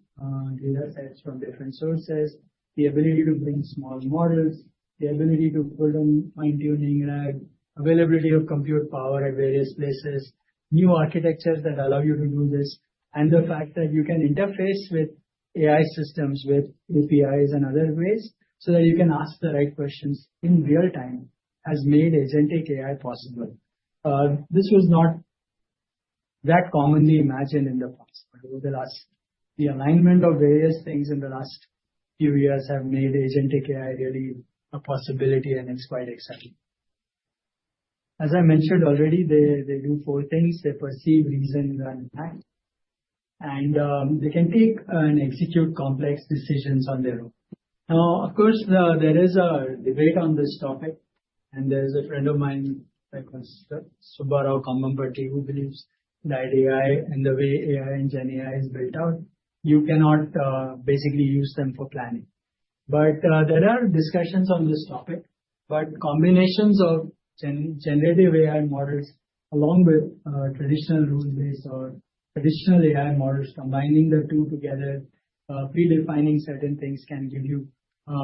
data sets from different sources, the ability to bring small models, the ability to put in fine-tuning layer, availability of compute power at various places, new architectures that allow you to do this, and the fact that you can interface with AI systems with APIs and other ways so that you can ask the right questions in real time has made agentic AI possible. This was not that commonly imagined in the past, but over the last, the alignment of various things in the last few years have made agentic AI really a possibility and it's quite exciting. As I mentioned already, they do four things. They perceive, reason, and act. And they can take and execute complex decisions on their own. Now, of course, there is a debate on this topic. And there's a friend of mine, Subbarao Kambhampati, who believes that AI and the way AI and GenAI is built out, you cannot basically use them for planning. But there are discussions on this topic. But combinations of generative AI models along with traditional rules-based or traditional AI models, combining the two together, pre-defining certain things can give you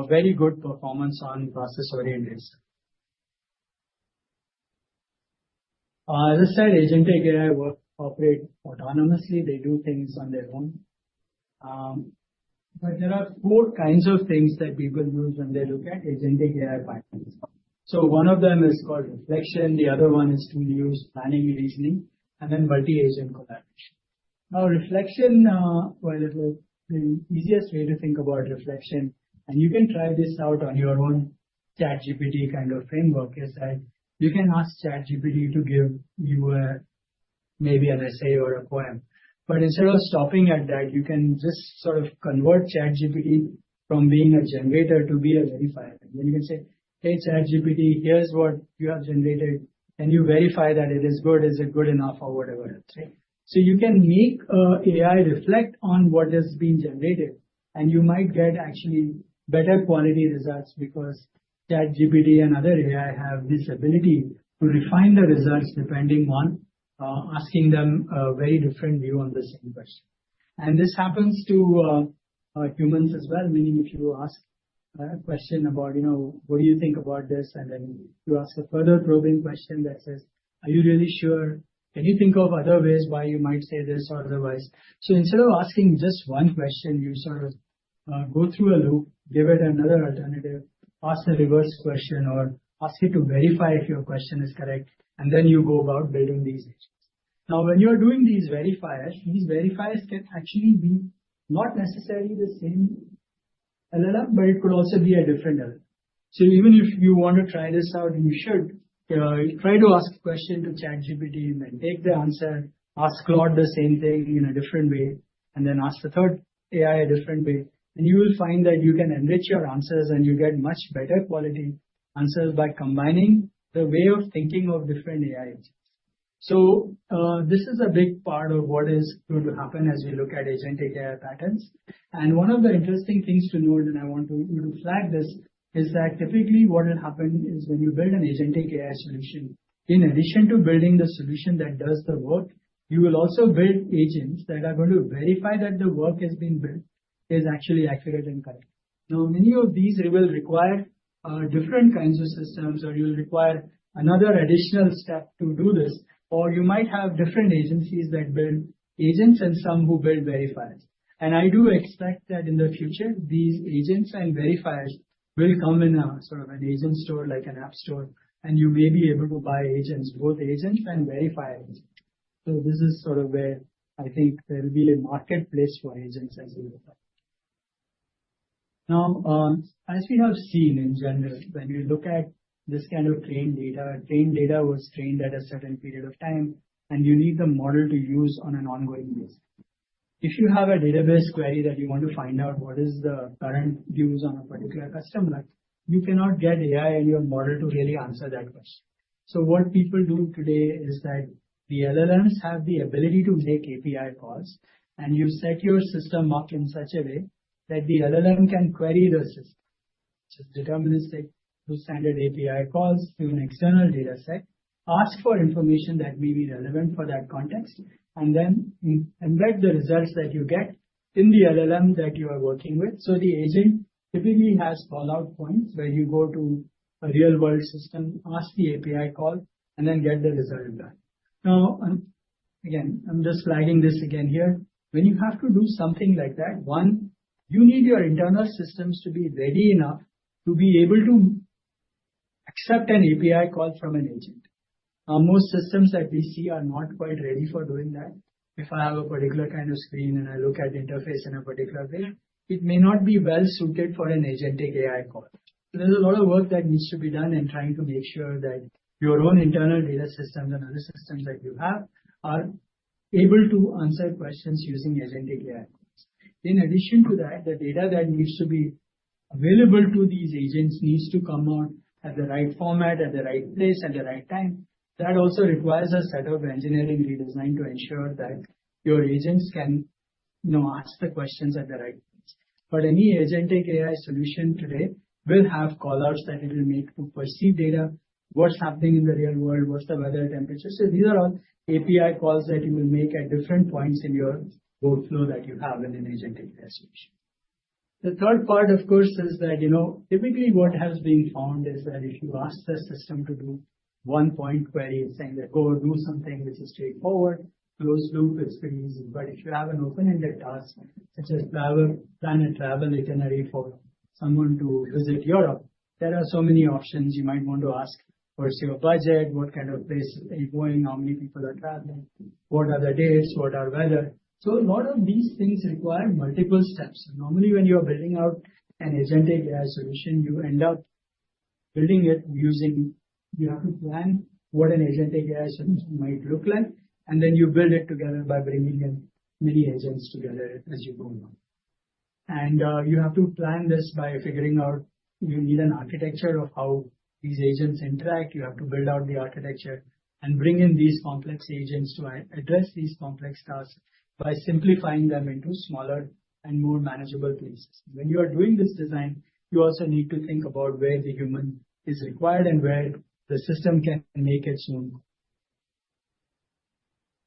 very good performance on process-oriented stuff. As I said, agentic AI works, operate autonomously. They do things on their own. But there are four kinds of things that people use when they look at agentic AI pipelines. So one of them is called reflection. The other one is to use planning reasoning and then multi-agent collaboration. Now, reflection. Well, the easiest way to think about reflection, and you can try this out on your own ChatGPT kind of framework, is that you can ask ChatGPT to give you maybe an essay or a poem. But instead of stopping at that, you can just sort of convert ChatGPT from being a generator to be a verifier, and then you can say, "Hey, ChatGPT, here's what you have generated. Can you verify that it is good? Is it good enough or whatever?" so you can make AI reflect on what has been generated, and you might get actually better quality results because ChatGPT and other AI have this ability to refine the results depending on asking them a very different view on the same question. And this happens to humans as well, meaning if you ask a question about, "What do you think about this?" and then you ask a further probing question that says, "Are you really sure? Can you think of other ways why you might say this or otherwise?" So instead of asking just one question, you sort of go through a loop, give it another alternative, ask the reverse question, or ask it to verify if your question is correct, and then you go about building these agents. Now, when you're doing these verifiers, these verifiers can actually be not necessarily the same LLM, but it could also be a different LLM. So even if you want to try this out, you should try to ask a question to ChatGPT and then take the answer, ask Claude the same thing in a different way, and then ask the third AI a different way. And you will find that you can enrich your answers, and you get much better quality answers by combining the way of thinking of different AI agents. So this is a big part of what is going to happen as we look at agentic AI patterns. And one of the interesting things to note, and I want to flag this, is that typically what will happen is when you build an agentic AI solution, in addition to building the solution that does the work, you will also build agents that are going to verify that the work has been built is actually accurate and correct. Now, many of these will require different kinds of systems, or you'll require another additional step to do this, or you might have different agencies that build agents and some who build verifiers, and I do expect that in the future, these agents and verifiers will come in a sort of an agent store like an app store, and you may be able to buy agents, both agents and verifiers, so this is sort of where I think there will be a marketplace for agents as we look at. Now, as we have seen in general, when we look at this kind of trained data, trained data was trained at a certain period of time, and you need the model to use on an ongoing basis. If you have a database query that you want to find out what is the current views on a particular customer, you cannot get AI and your model to really answer that question. So what people do today is that the LLMs have the ability to make API calls, and you set your system up in such a way that the LLM can query the system, which is deterministic, do standard API calls to an external dataset, ask for information that may be relevant for that context, and then embed the results that you get in the LLM that you are working with. So the agent typically has callout points where you go to a real-world system, ask the API call, and then get the result done. Now, again, I'm just flagging this again here. When you have to do something like that, one, you need your internal systems to be ready enough to be able to accept an API call from an agent. Most systems that we see are not quite ready for doing that. If I have a particular kind of screen and I look at the interface in a particular way, it may not be well suited for an agentic AI call. There's a lot of work that needs to be done in trying to make sure that your own internal data systems and other systems that you have are able to answer questions using agentic AI calls. In addition to that, the data that needs to be available to these agents needs to come out at the right format, at the right place, at the right time. That also requires a set of engineering redesign to ensure that your agents can now ask the questions at the right place. But any agentic AI solution today will have callouts that it will make to perceive data, what's happening in the real world, what's the weather temperature. So these are all API calls that you will make at different points in your workflow that you have in an agentic AI solution. The third part, of course, is that typically what has been found is that if you ask the system to do one-point query, saying that go or do something which is straightforward, closed loop, it's pretty easy. But if you have an open-ended task such as plan a travel itinerary for someone to visit Europe, there are so many options. You might want to ask, what's your budget? What kind of place are you going? How many people are traveling? What are the dates? What are weather? So, a lot of these things require multiple steps. Normally, when you're building out an agentic AI solution, you end up building it using, you have to plan what an agentic AI solution might look like, and then you build it together by bringing in many agents together as you go along, and you have to plan this by figuring out, you need an architecture of how these agents interact. You have to build out the architecture and bring in these complex agents to address these complex tasks by simplifying them into smaller and more manageable places. When you are doing this design, you also need to think about where the human is required and where the system can make its own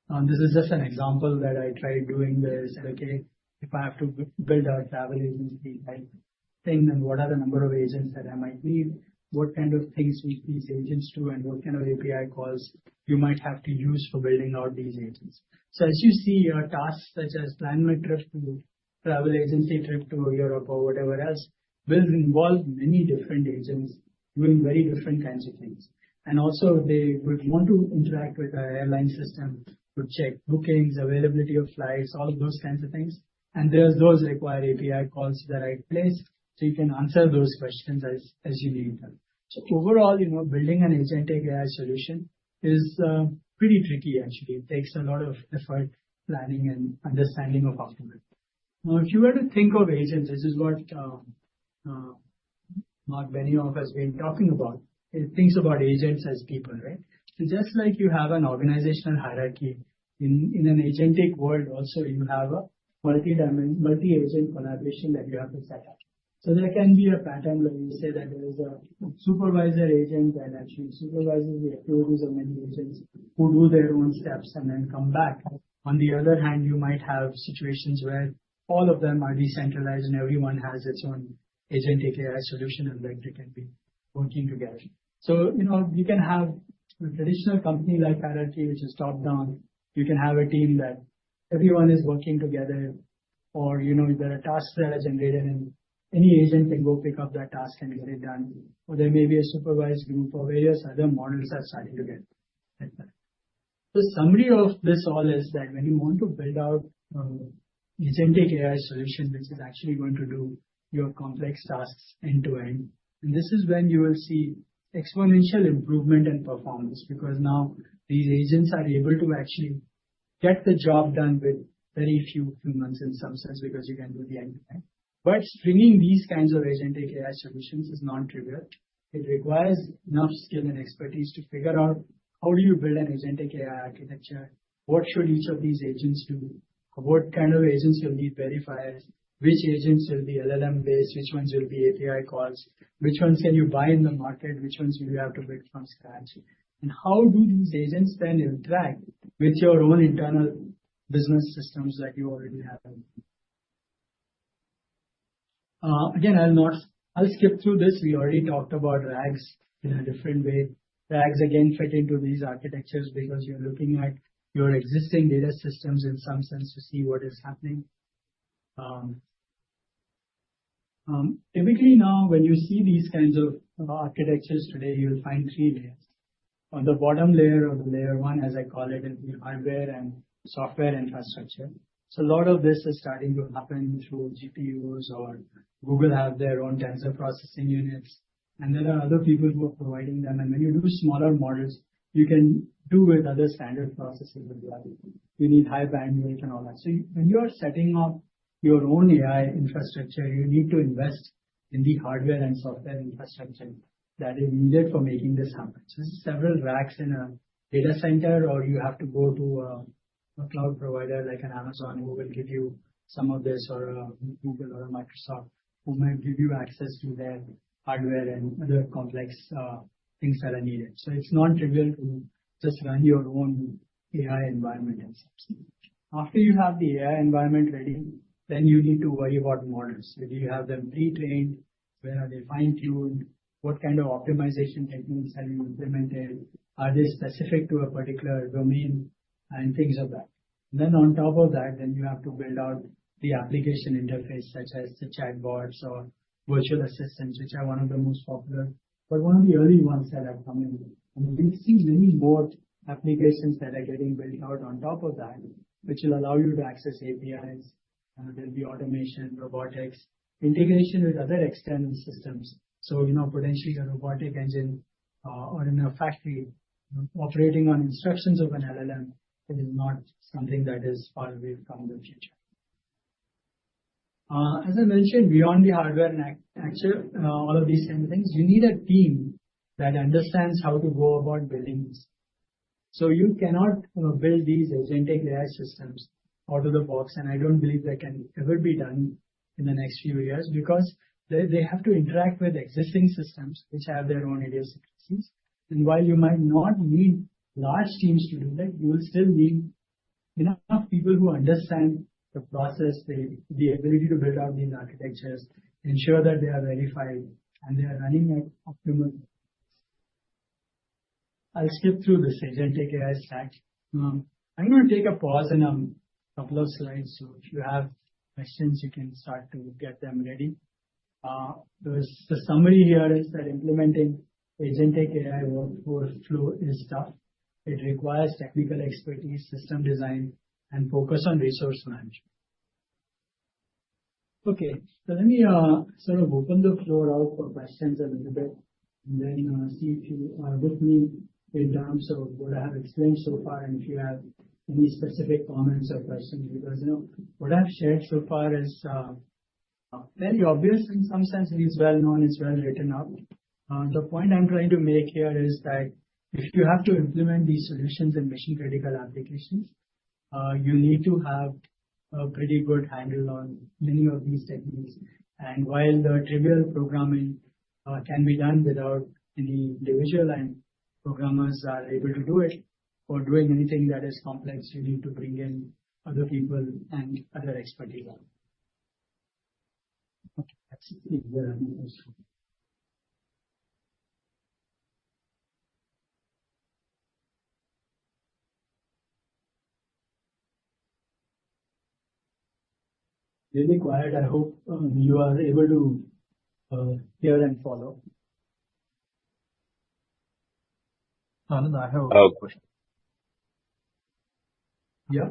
call. This is just an example that I tried doing this. Okay, if I have to build a travel agency, I think then what are the number of agents that I might need? What kind of things will these agents do? And what kind of API calls you might have to use for building out these agents? So as you see, tasks such as plan my trip to travel agency, trip to Europe, or whatever else will involve many different agents doing very different kinds of things. And also, they would want to interact with an airline system to check bookings, availability of flights, all of those kinds of things. And those require API calls to the right place. So you can answer those questions as you need them. So overall, building an agentic AI solution is pretty tricky, actually. It takes a lot of effort, planning, and understanding of how to do it. Now, if you were to think of agents, this is what Marc Benioff has been talking about. He thinks about agents as people, right? So just like you have an organizational hierarchy in an agentic world, also you have a multi-agent collaboration that you have to set up. So there can be a pattern where you say that there is a supervisor agent that actually supervises the activities of many agents who do their own steps and then come back. On the other hand, you might have situations where all of them are decentralized and everyone has its own agentic AI solution and then they can be working together. So you can have a traditional company like Persistent, which is top-down. You can have a team that everyone is working together, or there are tasks that are generated and any agent can go pick up that task and get it done. Or there may be a supervised group or various other models that are starting to get like that. The summary of this all is that when you want to build out an agentic AI solution which is actually going to do your complex tasks end-to-end, and this is when you will see exponential improvement in performance because now these agents are able to actually get the job done with very few humans in some sense because you can do the end-to-end. But bringing these kinds of agentic AI solutions is non-trivial. It requires enough skill and expertise to figure out how do you build an agentic AI architecture, what should each of these agents do, what kind of agents will need verifiers, which agents will be LLM-based, which ones will be API calls, which ones can you buy in the market, which ones will you have to build from scratch, and how do these agents then interact with your own internal business systems that you already have? Again, I'll skip through this. We already talked about RAGs in a different way. RAGs again fit into these architectures because you're looking at your existing data systems in some sense to see what is happening. Typically, now when you see these kinds of architectures today, you'll find three layers. On the bottom layer or the layer one, as I call it, is the hardware and software infrastructure. So a lot of this is starting to happen through GPUs, or Google has their own Tensor Processing Units, and there are other people who are providing them. And when you do smaller models, you can do with other standard processors as well. You need high bandwidth and all that. So when you are setting up your own AI infrastructure, you need to invest in the hardware and software infrastructure that is needed for making this happen. So several racks in a data center, or you have to go to a cloud provider like Amazon who will give you some of this, or Google or Microsoft who might give you access to their hardware and other complex things that are needed. So it's non-trivial to just run your own AI environment in some sense. After you have the AI environment ready, then you need to worry about models. Do you have them pre-trained? Where are they fine-tuned? What kind of optimization techniques have you implemented? Are they specific to a particular domain and things of that? Then on top of that, then you have to build out the application interface such as the chatbots or virtual assistants, which are one of the most popular, but one of the early ones that have come in. And we've seen many more applications that are getting built out on top of that, which will allow you to access APIs. There'll be automation, robotics, integration with other external systems. So potentially a robotic engine or in a factory operating on instructions of an LLM is not something that is far away from the future. As I mentioned, beyond the hardware and actually all of these kinds of things, you need a team that understands how to go about building this. So you cannot build these agentic AI systems out of the box, and I don't believe that can ever be done in the next few years because they have to interact with existing systems which have their own idiosyncrasies. And while you might not need large teams to do that, you will still need enough people who understand the process, the ability to build out these architectures, ensure that they are verified, and they are running at optimal speeds. I'll skip through this agentic AI stack. I'm going to take a pause in a couple of slides. So if you have questions, you can start to get them ready. The summary here is that implementing agentic AI workflow is tough. It requires technical expertise, system design, and focus on resource management. Okay, so let me sort of open the floor up for questions a little bit and then see if you are with me in terms of what I have explained so far and if you have any specific comments or questions because what I've shared so far is very obvious in some sense. It is well known. It's well written up. The point I'm trying to make here is that if you have to implement these solutions in mission-critical applications, you need to have a pretty good handle on many of these techniques. And while the trivial programming can be done without any individual and programmers are able to do it, for doing anything that is complex, you need to bring in other people and other expertise on it. Really quiet. I hope you are able to hear and follow. Anand, I have a question. Yeah?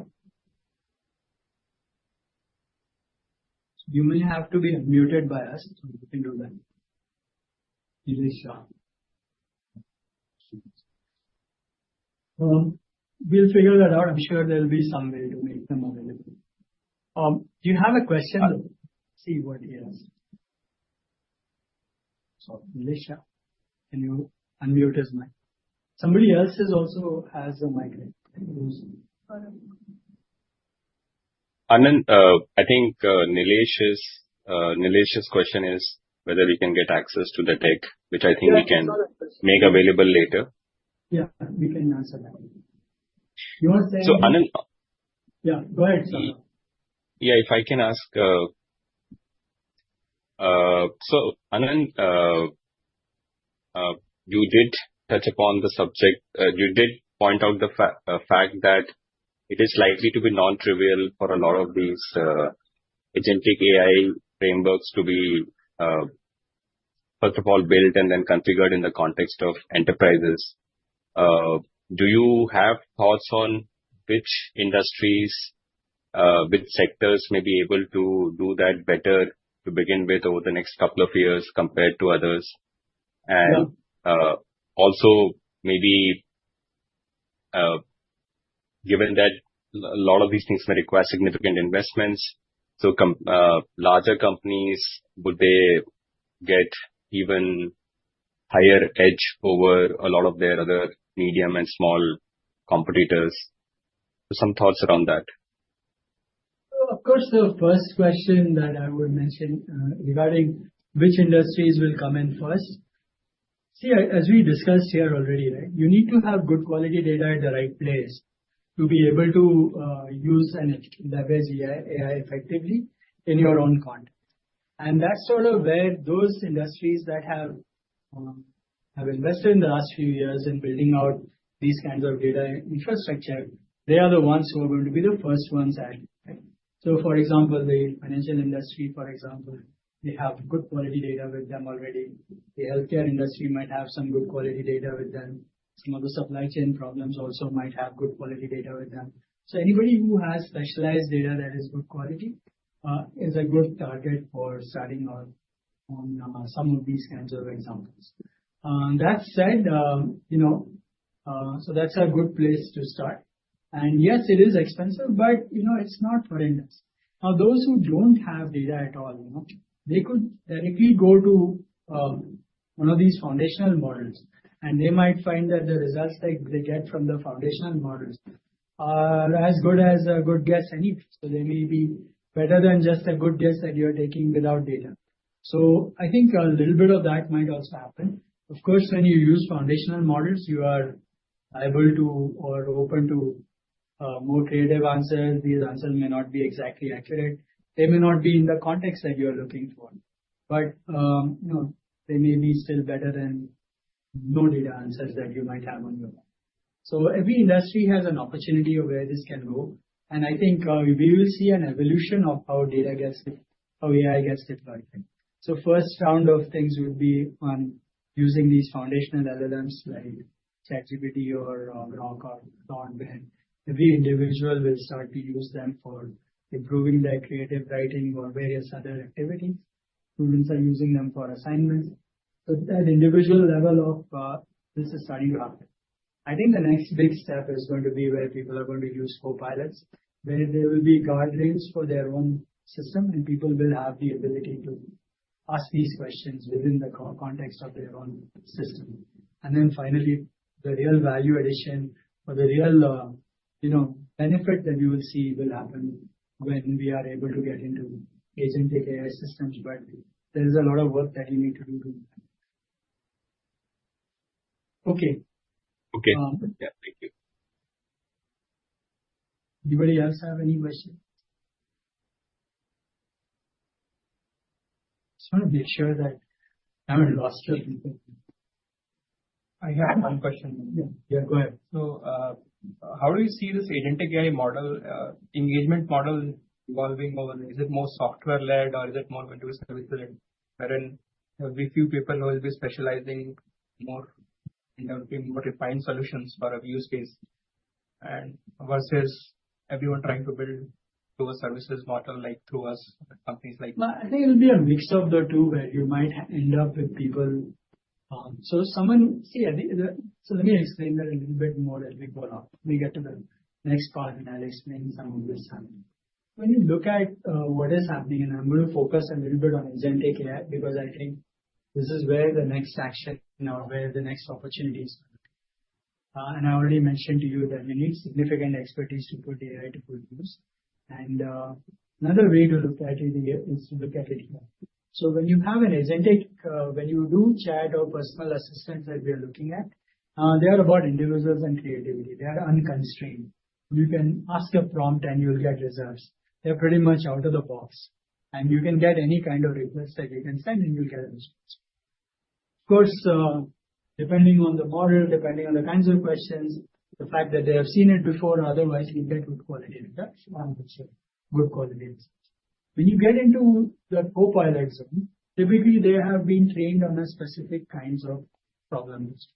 You may have to be muted by us, so you can do that. We'll figure that out. I'm sure there'll be some way to make them available. Do you have a question? See what he has. Nilesh, can you unmute as well? Somebody else also has a mic. Anand, I think Nilesh's question is whether we can get access to the tech, which I think we can make available later. Yeah, we can answer that. You want to say? Anand? Yeah, go ahead, Saurabh. Yeah, if I can ask. Anand, you did touch upon the subject. You did point out the fact that it is likely to be non-trivial for a lot of these agentic AI frameworks to be, first of all, built and then configured in the context of enterprises. Do you have thoughts on which industries, which sectors may be able to do that better to begin with over the next couple of years compared to others? And also, maybe given that a lot of these things may require significant investments, so larger companies, would they get even higher edge over a lot of their other medium and small competitors? Some thoughts around that. Of course, the first question that I would mention regarding which industries will come in first. See, as we discussed here already, you need to have good quality data at the right place to be able to use and leverage AI effectively in your own context. And that's sort of where those industries that have invested in the last few years in building out these kinds of data infrastructure, they are the ones who are going to be the first ones at it. For example, the financial industry, for example, they have good quality data with them already. The healthcare industry might have some good quality data with them. Some of the supply chain problems also might have good quality data with them. Anybody who has specialized data that is good quality is a good target for starting out on some of these kinds of examples. That said, that's a good place to start. Yes, it is expensive, but it's not horrendous. Now, those who don't have data at all, they could directly go to one of these foundational models, and they might find that the results that they get from the foundational models are as good as a good guess anyway. They may be better than just a good guess that you're taking without data. I think a little bit of that might also happen. Of course, when you use foundational models, you are able to or open to more creative answers. These answers may not be exactly accurate. They may not be in the context that you're looking for, but they may be still better than no data answers that you might have on your own, so every industry has an opportunity of where this can go. And I think we will see an evolution of how data gets, how AI gets deployed, so first round of things would be on using these foundational LLMs like ChatGPT or Grok or Claude. Every individual will start to use them for improving their creative writing or various other activities. Students are using them for assignments, so that individual level of this is starting to happen. I think the next big step is going to be where people are going to use co-pilots, where there will be guardrails for their own system, and people will have the ability to ask these questions within the context of their own system, and then finally, the real value addition or the real benefit that you will see will happen when we are able to get into agentic AI systems, but there's a lot of work that you need to do to. Okay. Okay. Yeah, thank you. Anybody else have any questions? Just want to make sure that I haven't lost your attention. I have one question. Yeah, go ahead. So how do you see this agentic AI engagement model evolving over? Is it more software-led, or is it more vendor services-led, wherein there will be few people who will be specializing more and there will be more refined solutions for a use case versus everyone trying to build through a services model like through us, companies like? I think it'll be a mix of the two where you might end up with people, so someone, see, so let me explain that a little bit more as we go along. We get to the next part, and I'll explain some of this happening. When you look at what is happening, and I'm going to focus a little bit on agentic AI because I think this is where the next action or where the next opportunity is going to be, and I already mentioned to you that you need significant expertise to put AI to good use. Another way to look at it is to look at it here. So when you have an agentic, when you do chat or personal assistants that we are looking at, they are about individuals and creativity. They are unconstrained. You can ask a prompt, and you'll get results. They're pretty much out of the box. And you can get any kind of request that you can send, and you'll get a response. Of course, depending on the model, depending on the kinds of questions, the fact that they have seen it before or otherwise, you get good quality results. I'm not sure. Good quality results. When you get into the Copilot zone, typically, they have been trained on a specific kinds of problems.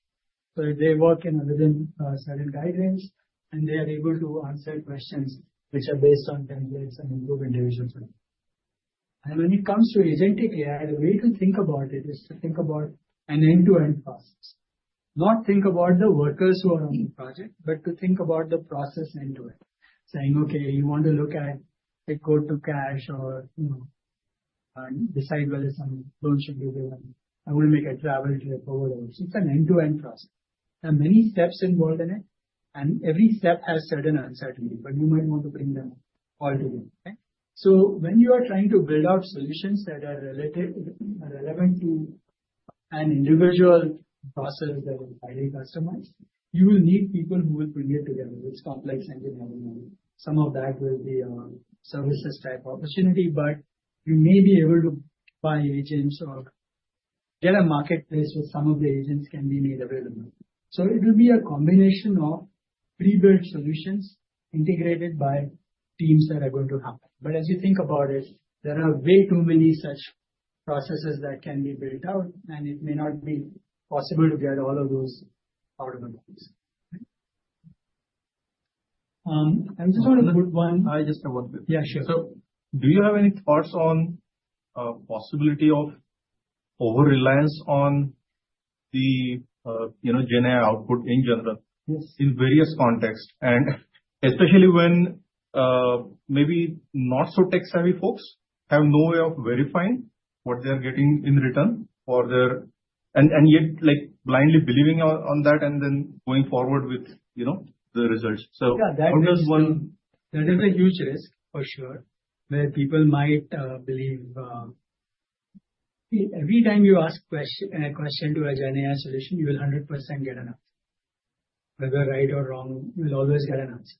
So they work within certain guidelines, and they are able to answer questions which are based on templates and improve individuals. And when it comes to agentic AI, the way to think about it is to think about an end-to-end process. Not think about the workers who are on the project, but to think about the process end-to-end. Saying, okay, you want to look at it, go to cash or decide whether some loan should be given. I want to make a travel trip or whatever. So it's an end-to-end process. There are many steps involved in it, and every step has certain uncertainty, but you might want to bring them all together. So when you are trying to build out solutions that are relevant to an individual process that is highly customized, you will need people who will bring it together. It's complex engineering. Some of that will be a services type opportunity, but you may be able to buy agents or get a marketplace where some of the agents can be made available. So it will be a combination of pre-built solutions integrated by teams that are going to happen. But as you think about it, there are way too many such processes that can be built out, and it may not be possible to get all of those out of the box. I'm just going to put one. I just want to. Yeah, sure. So do you have any thoughts on the possibility of over-reliance on the GenAI output in general in various contexts, and especially when maybe not-so-tech-savvy folks have no way of verifying what they're getting in return for their, and yet blindly believing on that and then going forward with the results? So how does one, that is a huge risk, for sure, where people might believe every time you ask a question to a GenAI solution, you will 100% get an answer. Whether right or wrong, you will always get an answer.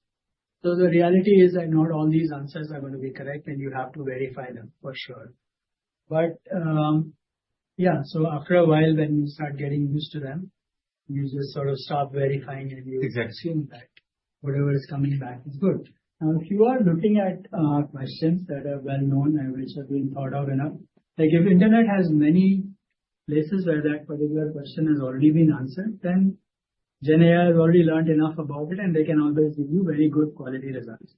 So the reality is that not all these answers are going to be correct, and you have to verify them for sure. But yeah, so after a while, when you start getting used to them, you just sort of stop verifying, and you assume that whatever is coming back is good. Now, if you are looking at questions that are well-known and which have been thought of enough, if the internet has many places where that particular question has already been answered, then GenAI has already learned enough about it, and they can always give you very good quality results.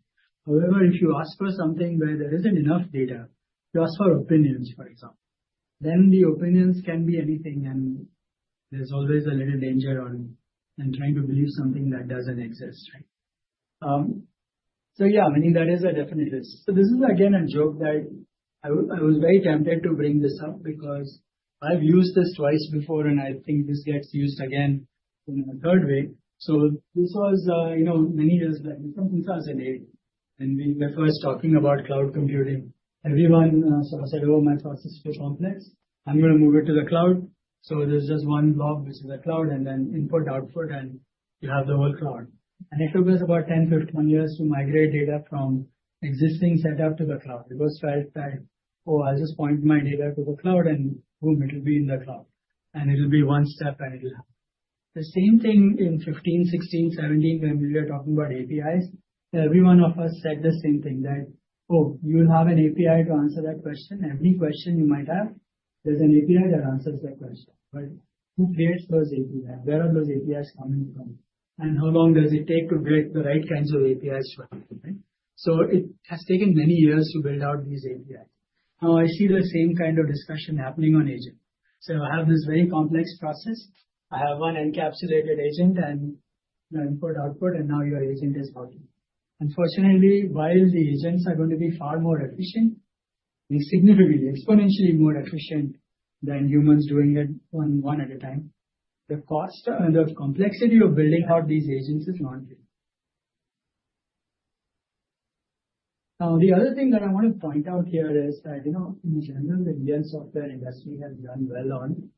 However, if you ask for something where there isn't enough data, you ask for opinions, for example, then the opinions can be anything, and there's always a little danger on trying to believe something that doesn't exist. So yeah, I mean, that is a definite risk. So this is, again, a joke that I was very tempted to bring this up because I've used this twice before, and I think this gets used again in a third way. So this was many years back, in 2008, when we were first talking about cloud computing. Everyone sort of said, "Oh, my process is too complex. I'm going to move it to the cloud." So there's just one blob, which is the cloud, and then input, output, and you have the whole cloud. And it took us about 10-15 years to migrate data from existing setup to the cloud. It was felt that, "Oh, I'll just point my data to the cloud, and boom, it'll be in the cloud. And it'll be one step, and it'll happen." The same thing in 2015, 2016, 2017, when we were talking about APIs, every one of us said the same thing that, "Oh, you'll have an API to answer that question. Every question you might have, there's an API that answers that question. But who creates those APIs? Where are those APIs coming from? And how long does it take to get the right kinds of APIs for that?" So it has taken many years to build out these APIs. Now, I see the same kind of discussion happening on agent. So I have this very complex process. I have one encapsulated agent and input, output, and now your agent is out. Unfortunately, while the agents are going to be far more efficient, significantly, exponentially more efficient than humans doing it one at a time, the cost and the complexity of building out these agents is not real. Now, the other thing that I want to point out here is that, in general, the real software industry has done well on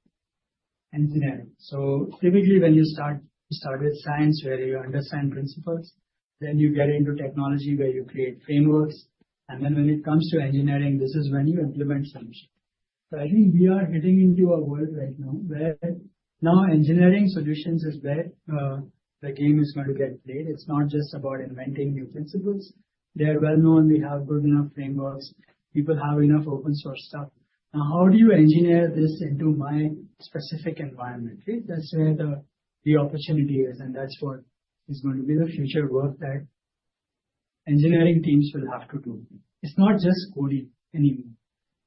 engineering. So typically, when you start with science, where you understand principles, then you get into technology, where you create frameworks. And then when it comes to engineering, this is when you implement solutions. So I think we are heading into a world right now where now engineering solutions is where the game is going to get played. It's not just about inventing new principles. They are well-known. We have good enough frameworks. People have enough open-source stuff. Now, how do you engineer this into my specific environment? That's where the opportunity is, and that's what is going to be the future work that engineering teams will have to do. It's not just coding anymore.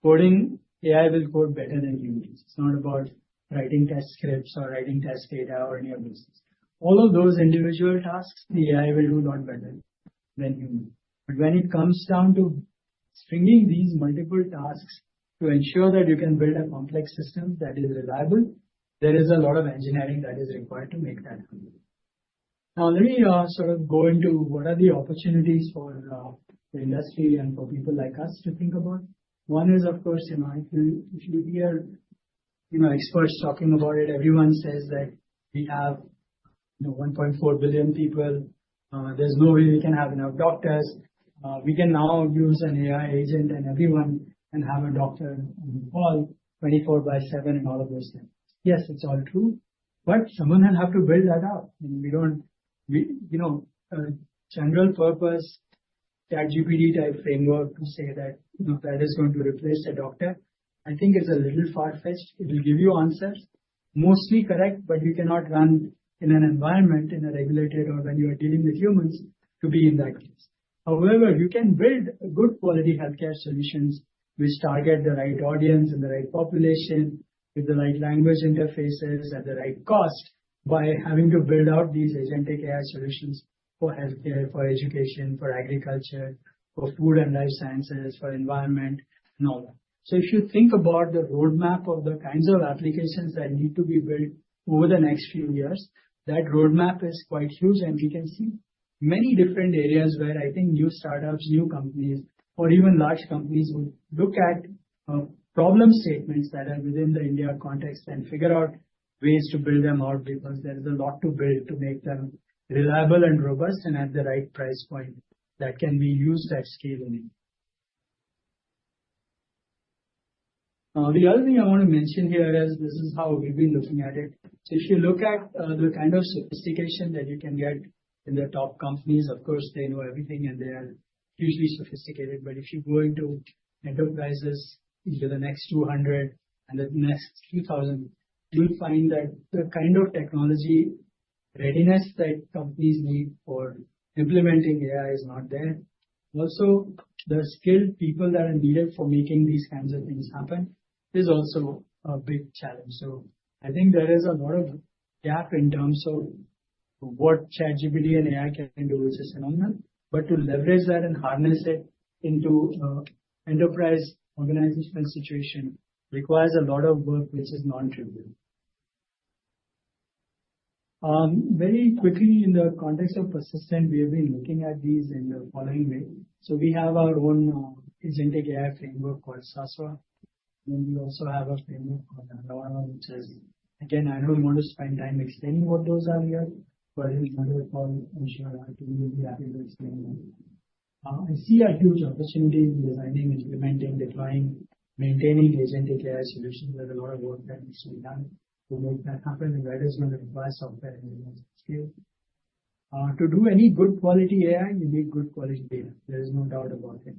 Coding, AI will code better than humans. It's not about writing test scripts or writing test data or any of those things. All of those individual tasks, the AI will do a lot better than humans. But when it comes down to stringing these multiple tasks to ensure that you can build a complex system that is reliable, there is a lot of engineering that is required to make that happen. Now, let me sort of go into what are the opportunities for the industry and for people like us to think about. One is, of course, if you hear experts talking about it, everyone says that we have 1.4 billion people. There's no way we can have enough doctors. We can now use an AI agent, and everyone can have a doctor on the call 24/7 and all of those things. Yes, it's all true. But someone will have to build that out. And we don't need a general-purpose ChatGPT-type framework to say that that is going to replace a doctor. I think it's a little far-fetched. It will give you answers, mostly correct, but you cannot run in an environment, in a regulated, or when you are dealing with humans to be in that case. However, you can build good-quality healthcare solutions which target the right audience and the right population with the right language interfaces at the right cost by having to build out these agentic AI solutions for healthcare, for education, for agriculture, for food and life sciences, for environment, and all that. So if you think about the roadmap of the kinds of applications that need to be built over the next few years, that roadmap is quite huge, and we can see many different areas where I think new startups, new companies, or even large companies would look at problem statements that are within the India context and figure out ways to build them out because there is a lot to build to make them reliable and robust and at the right price point that can be used at scale in India. The other thing I want to mention here is this is how we've been looking at it, so if you look at the kind of sophistication that you can get in the top companies, of course, they know everything, and they are hugely sophisticated. But if you go into enterprises into the next 200 and the next 2,000, you will find that the kind of technology readiness that companies need for implementing AI is not there. Also, the skilled people that are needed for making these kinds of things happen is also a big challenge. So I think there is a lot of gap in terms of what ChatGPT and AI can do, which is phenomenal. But to leverage that and harness it into an enterprise organizational situation requires a lot of work, which is non-trivial. Very quickly, in the context of Persistent, we have been looking at these in the following way. So we have our own agentic AI framework called Sasva. Then we also have a framework called Anorra, which is, again, I don't want to spend time explaining what those are here, but in another call, I'm sure I'll be happy to explain them. I see a huge opportunity in designing, implementing, deploying, maintaining agentic AI solutions. There's a lot of work that needs to be done to make that happen, and that is going to require software engineers at scale. To do any good-quality AI, you need good-quality data. There is no doubt about it.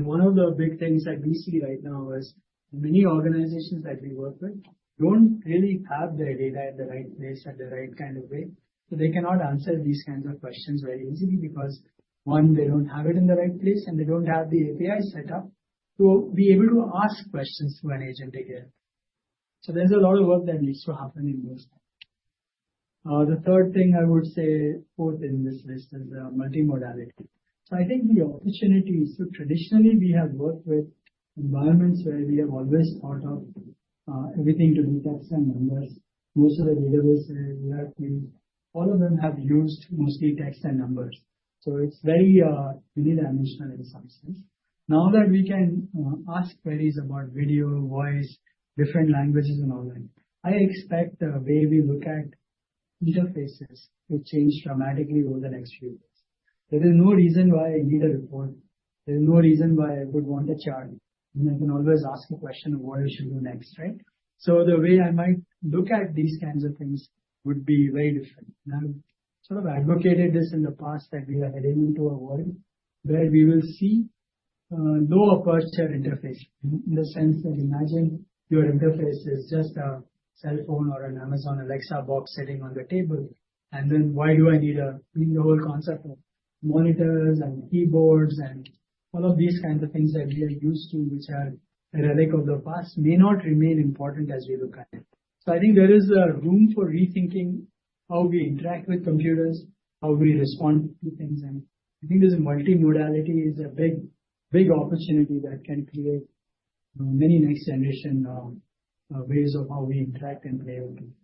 One of the big things that we see right now is many organizations that we work with don't really have their data in the right place at the right kind of way. They cannot answer these kinds of questions very easily because, one, they don't have it in the right place, and they don't have the API setup to be able to ask questions to an agentic AI. So there's a lot of work that needs to happen in those times. The third thing I would say, fourth in this list, is multimodality. So I think the opportunity is, so traditionally, we have worked with environments where we have always thought of everything to be text and numbers. Most of the databases we have used, all of them have used mostly text and numbers. So it's very unidimensional in some sense. Now that we can ask queries about video, voice, different languages, and all that, I expect the way we look at interfaces will change dramatically over the next few years. There is no reason why I need a report. There is no reason why I would want a chart, and I can always ask a question of what we should do next, right? So the way I might look at these kinds of things would be very different, and I've sort of advocated this in the past, that we are heading into a world where we will see no user interface in the sense that imagine your interface is just a cell phone or an Amazon Alexa box sitting on the table, and then why do I need a whole concept of monitors and keyboards and all of these kinds of things that we are used to, which are a relic of the past, may not remain important as we look at it, so I think there is room for rethinking how we interact with computers, how we respond to things. And I think this multimodality is a big, big opportunity that can create many next-generation ways of how we interact and play with things.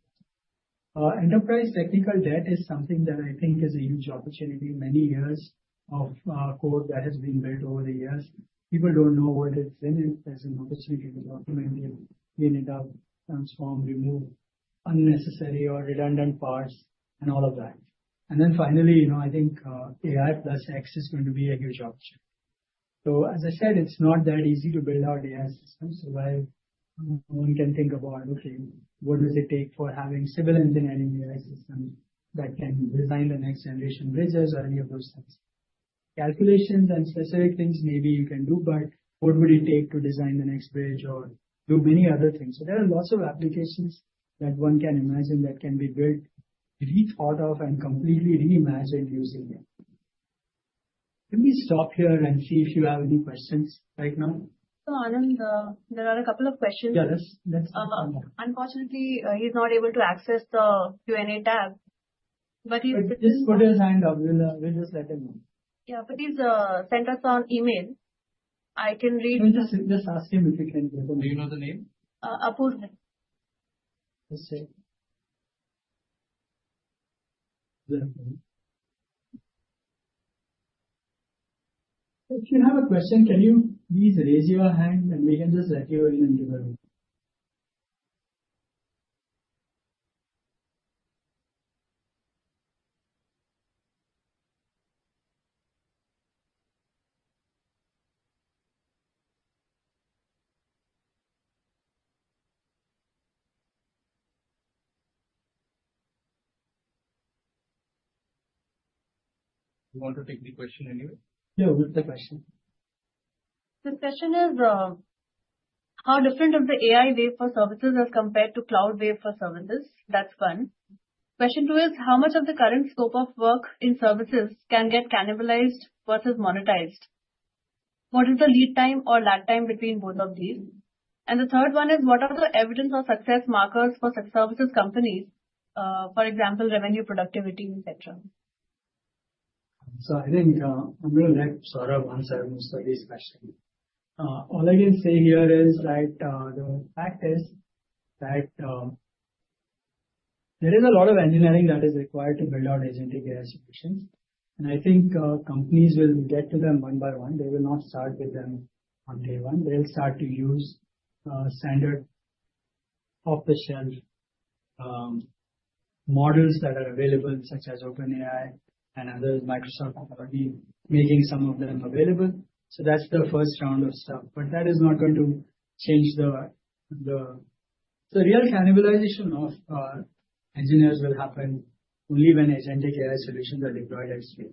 Enterprise technical debt is something that I think is a huge opportunity. Many years of code that has been built over the years. People don't know what it's in. There's an opportunity to document it, clean it up, transform, remove unnecessary or redundant parts, and all of that. And then finally, I think AI+X is going to be a huge opportunity. So as I said, it's not that easy to build out AI systems while one can think about, okay, what does it take for having civil engineering AI systems that can design the next-generation bridges or any of those things? Calculations and specific things maybe you can do, but what would it take to design the next bridge or do many other things? So there are lots of applications that one can imagine that can be built, rethought of, and completely reimagined using them. Let me stop here and see if you have any questions right now. So, Arun, there are a couple of questions. Yeah, let's do that. Unfortunately, he's not able to access the Q&A tab, but he's. Just put his hand up. We'll just let him know. Yeah, please send us an email. I can read. Just ask him if he can give him. Do you know the name? Apurva. Let's see. If you have a question, can you please raise your hand, and we can just let you in into the room? You want to take the question anyway? Yeah, what's the question? The question is, how different are the AI wave for services as compared to cloud wave for services? That's one. Question two is, how much of the current scope of work in services can get cannibalized versus monetized? What is the lead time or lag time between both of these? And the third one is, what are the evidence or success markers for services companies, for example, revenue, productivity, etc.? So I think I'm going to let Saurabh once I have more studies, especially. All I can say here is that the fact is that there is a lot of engineering that is required to build out agentic AI solutions. And I think companies will get to them one by one. They will not start with them on day one. They'll start to use standard off-the-shelf models that are available, such as OpenAI and others, Microsoft already making some of them available. So that's the first round of stuff. But that is not going to change. The real cannibalization of engineers will happen only when agentic AI solutions are deployed at scale.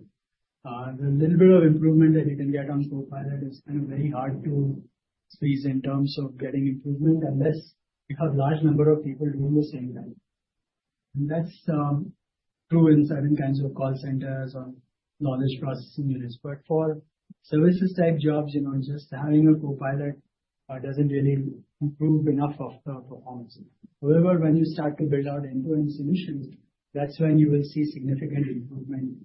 The little bit of improvement that you can get on Copilot is kind of very hard to squeeze in terms of getting improvement unless you have a large number of people doing the same thing. and that's true in certain kinds of call centers or knowledge processing units. But for services-type jobs, just having a Copilot doesn't really improve enough of the performance. However, when you start to build out end-to-end solutions, that's when you will see significant improvement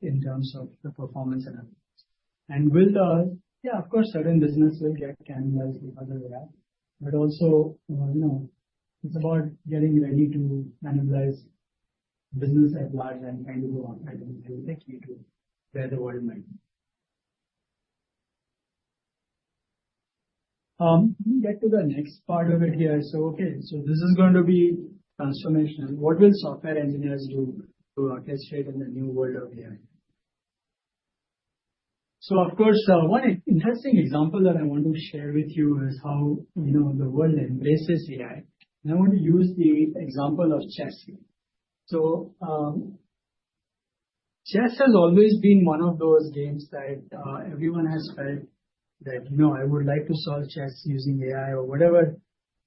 in terms of the performance and other things. and yeah, of course, certain businesses will get cannibalized because of that. but also, it's about getting ready to cannibalize business at large and trying to go outside the usual tech league to where the world might be. Let me get to the next part of it here. so, okay, so this is going to be transformational. What will software engineers do to orchestrate in the new world of AI? so, of course, one interesting example that I want to share with you is how the world embraces AI. I want to use the example of chess here. So chess has always been one of those games that everyone has felt that, you know, I would like to solve chess using AI or whatever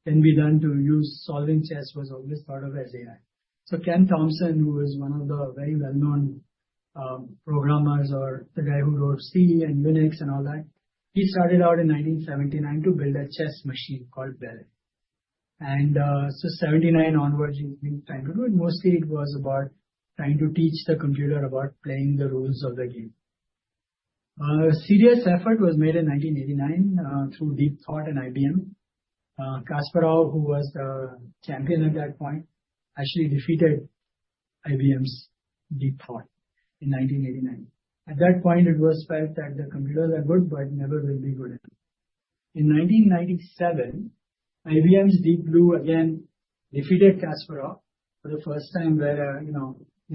can be done to use solving chess was always thought of as AI. So Ken Thompson, who is one of the very well-known programmers or the guy who wrote C and Linux and all that, he started out in 1979 to build a chess machine called Belle. And so '79 onwards, he's been trying to do it. Mostly, it was about trying to teach the computer about playing the rules of the game. A serious effort was made in 1989 through Deep Thought and IBM. Kasparov, who was the champion at that point, actually defeated IBM's Deep Thought in 1989. At that point, it was felt that the computers are good, but never will be good enough. In 1997, IBM's Deep Blue again defeated Kasparov for the first time, where in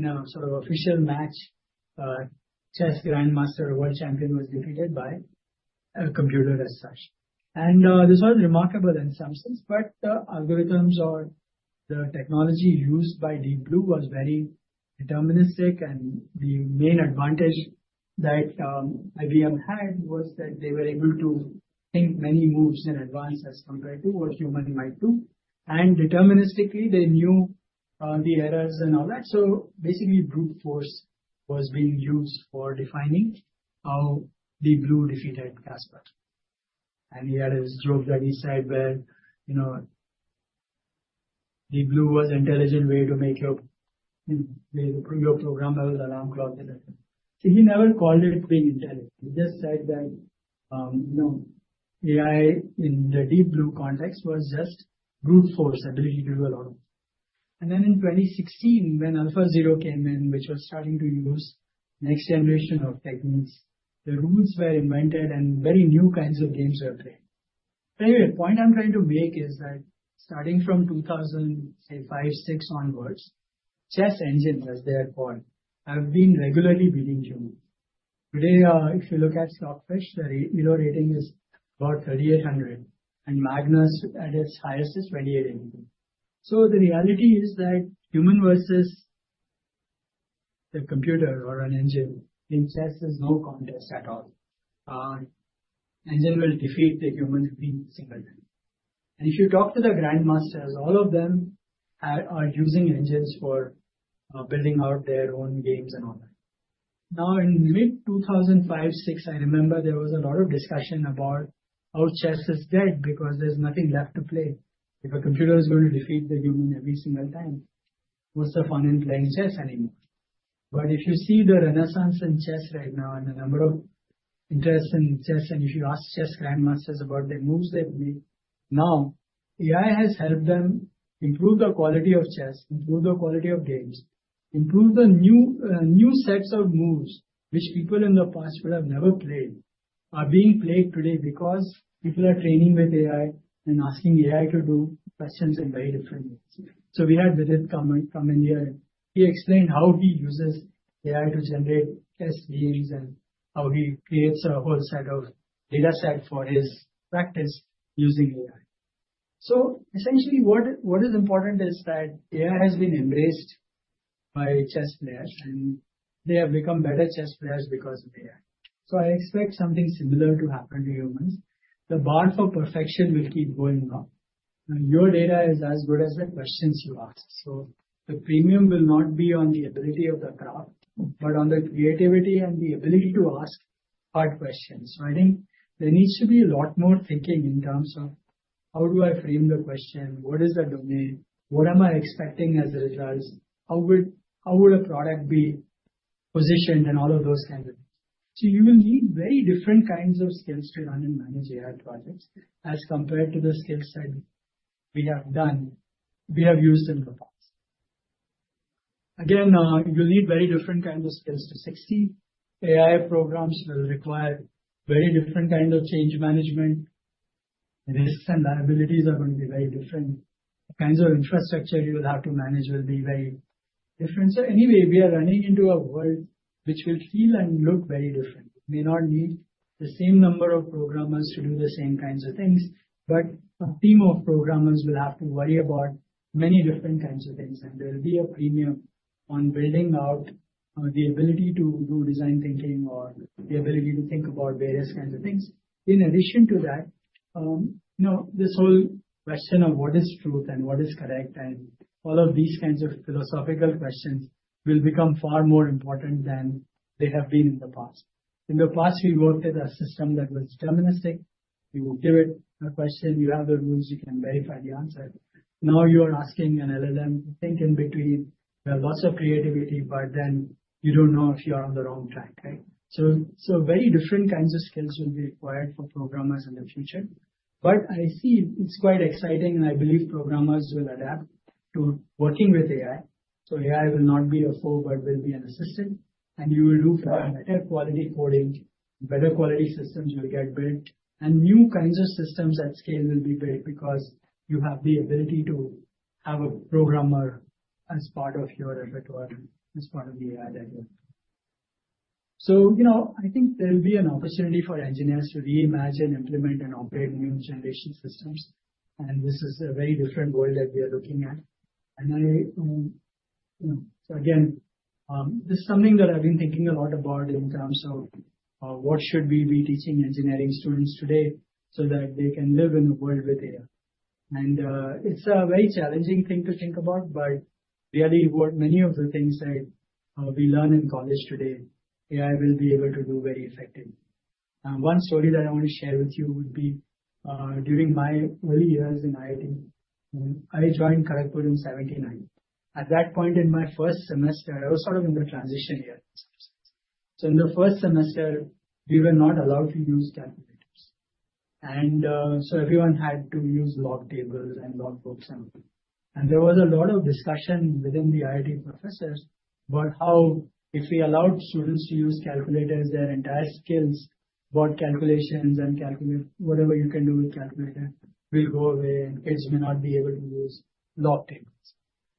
a sort of official match, a chess grandmaster or world champion was defeated by a computer as such. And this was remarkable in some sense. But the algorithms or the technology used by Deep Blue was very deterministic. And the main advantage that IBM had was that they were able to think many moves in advance as compared to what humans might do. And deterministically, they knew the errors and all that. So basically, brute force was being used for defining how Deep Blue defeated Kasparov. And he had his joke that he said where Deep Blue was an intelligent way to make your program level alarm clock. So he never called it being intelligent. He just said that AI in the Deep Blue context was just brute force, ability to do a lot of things, and then in 2016, when AlphaZero came in, which was starting to use next-generation techniques, the rules were invented and very new kinds of games were played, but anyway, the point I'm trying to make is that starting from 2000, say, five, six onwards, chess engines, as they are called, have been regularly beating humans. Today, if you look at Stockfish, the Elo rating is about 3,800, and Magnus, at its highest, is 2,880, so the reality is that human versus the computer or an engine in chess is no contest at all. An engine will defeat the human in single hand, and if you talk to the grandmasters, all of them are using engines for building out their own games and all that. Now, in mid-2005, 2006, I remember there was a lot of discussion about how chess is dead because there's nothing left to play. If a computer is going to defeat the human every single time, what's the fun in playing chess anymore? But if you see the renaissance in chess right now and the number of interests in chess, and if you ask chess grandmasters about the moves they've made now, AI has helped them improve the quality of chess, improve the quality of games, improve the new sets of moves, which people in the past would have never played. They are being played today because people are training with AI and asking AI to do questions in very different ways. So we had Vidit Gujrathi. He explained how he uses AI to generate test games and how he creates a whole set of data set for his practice using AI. So essentially, what is important is that AI has been embraced by chess players, and they have become better chess players because of AI. So I expect something similar to happen to humans. The bar for perfection will keep going up. Your data is as good as the questions you ask. So the premium will not be on the ability of the craft, but on the creativity and the ability to ask hard questions. So I think there needs to be a lot more thinking in terms of how do I frame the question, what is the domain, what am I expecting as a result, how would a product be positioned, and all of those kinds of things. So you will need very different kinds of skills to run and manage AI projects as compared to the skills that we have used in the past. Again, you'll need very different kinds of skills to succeed. AI programs will require very different kinds of change management. Risks and liabilities are going to be very different. The kinds of infrastructure you will have to manage will be very different. So anyway, we are running into a world which will feel and look very different. It may not need the same number of programmers to do the same kinds of things, but a team of programmers will have to worry about many different kinds of things. And there will be a premium on building out the ability to do design thinking or the ability to think about various kinds of things. In addition to that, this whole question of what is truth and what is correct and all of these kinds of philosophical questions will become far more important than they have been in the past. In the past, we worked with a system that was deterministic. You would give it a question. You have the rules. You can verify the answer. Now you are asking an LLM to think in between. There are lots of creativity, but then you don't know if you are on the wrong track, right? So very different kinds of skills will be required for programmers in the future. But I see it's quite exciting, and I believe programmers will adapt to working with AI. So AI will not be a foe, but will be an assistant. And you will do far better quality coding. Better quality systems will get built. And new kinds of systems at scale will be built because you have the ability to have a programmer as part of your effort or as part of the AI that you have. I think there will be an opportunity for engineers to reimagine, implement, and operate new generation systems. This is a very different world that we are looking at. Again, this is something that I've been thinking a lot about in terms of what should we be teaching engineering students today so that they can live in a world with AI. It's a very challenging thing to think about, but really, many of the things that we learn in college today, AI will be able to do very effectively. One story that I want to share with you would be during my early years in IIT. I joined Kharagpur in 1979. At that point in my first semester, I was sort of in the transition years. In the first semester, we were not allowed to use calculators. And so everyone had to use log tables and log books and all. And there was a lot of discussion within the IIT professors about how if we allowed students to use calculators, their entire skills, what calculations and whatever you can do with calculators will go away, and kids may not be able to use log tables.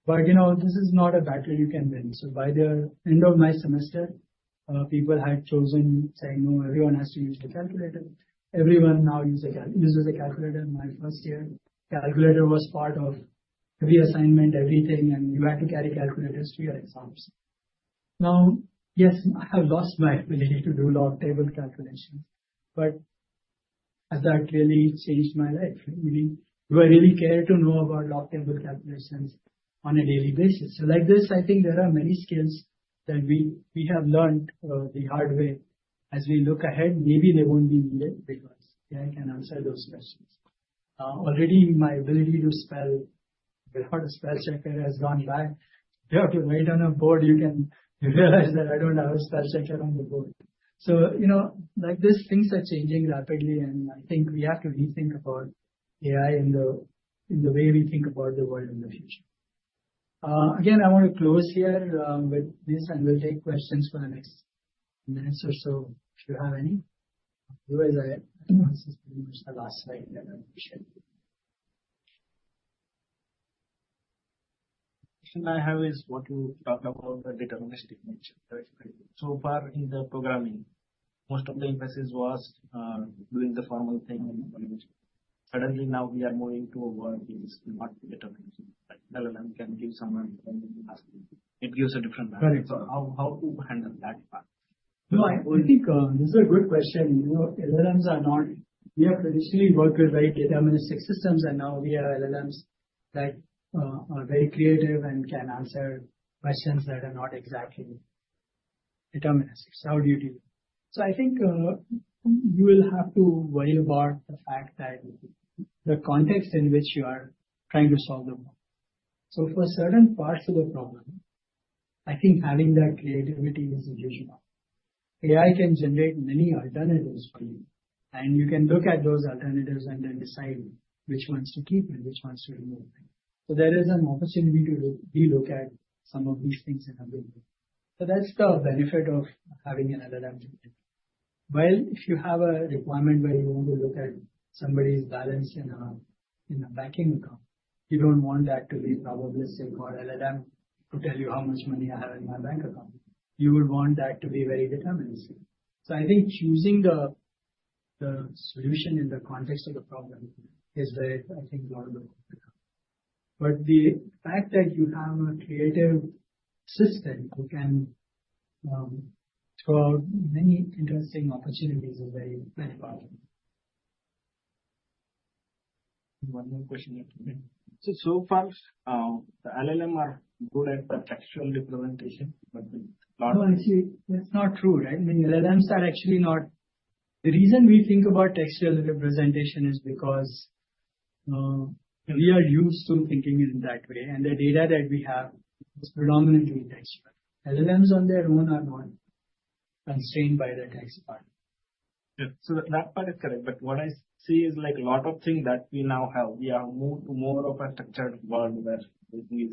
But this is not a battle you can win. So by the end of my semester, people had chosen, saying, no, everyone has to use the calculator. Everyone now uses a calculator. My first year, the calculator was part of every assignment, everything, and you had to carry calculators to your exams. Now, yes, I have lost my ability to do log table calculations, but has that really changed my life? Meaning, do I really care to know about log table calculations on a daily basis? So like this, I think there are many skills that we have learned the hard way. As we look ahead, maybe they won't be needed because AI can answer those questions. Already, my ability to spell with a spell checker has gone back. If you have to write on a board, you can realize that I don't have a spell checker on the board. So like this, things are changing rapidly, and I think we have to rethink about AI in the way we think about the world in the future. Again, I want to close here with this, and we'll take questions for the next minutes or so if you have any. Otherwise, this is pretty much the last slide that I want to share. The question I have is what to talk about the deterministic nature. So far, in the programming, most of the emphasis was doing the formal thing. Suddenly, now we are moving to a world that is not deterministic. LLM can give some answers. It gives a different answer. How to handle that part? No, I think this is a good question. LLMs are not. We have traditionally worked with very deterministic systems, and now we have LLMs that are very creative and can answer questions that are not exactly deterministic. So how do you deal with it? So I think you will have to worry about the fact that the context in which you are trying to solve the problem. So for certain parts of the problem, I think having that creativity is a huge part. AI can generate many alternatives for you, and you can look at those alternatives and then decide which ones to keep and which ones to remove. So there is an opportunity to re-look at some of these things in a good way. So that's the benefit of having an LLM too. While if you have a requirement where you want to look at somebody's balance in a banking account, you don't want that to be probably safeguard LLM to tell you how much money I have in my bank account. You would want that to be very deterministic. So I think choosing the solution in the context of the problem is where I think a lot of the work will come. But the fact that you have a creative system who can throw out many interesting opportunities is very powerful. One more question. So far, the LLMs are good at the textual representation, but a lot of it's not true, right? I mean, LLMs are actually not. The reason we think about textual representation is because we are used to thinking in that way, and the data that we have is predominantly textual. LLMs on their own are not constrained by the text part. Yeah, so that part is correct. But what I see is like a lot of things that we now have, we are moving to more of a structured world where everything is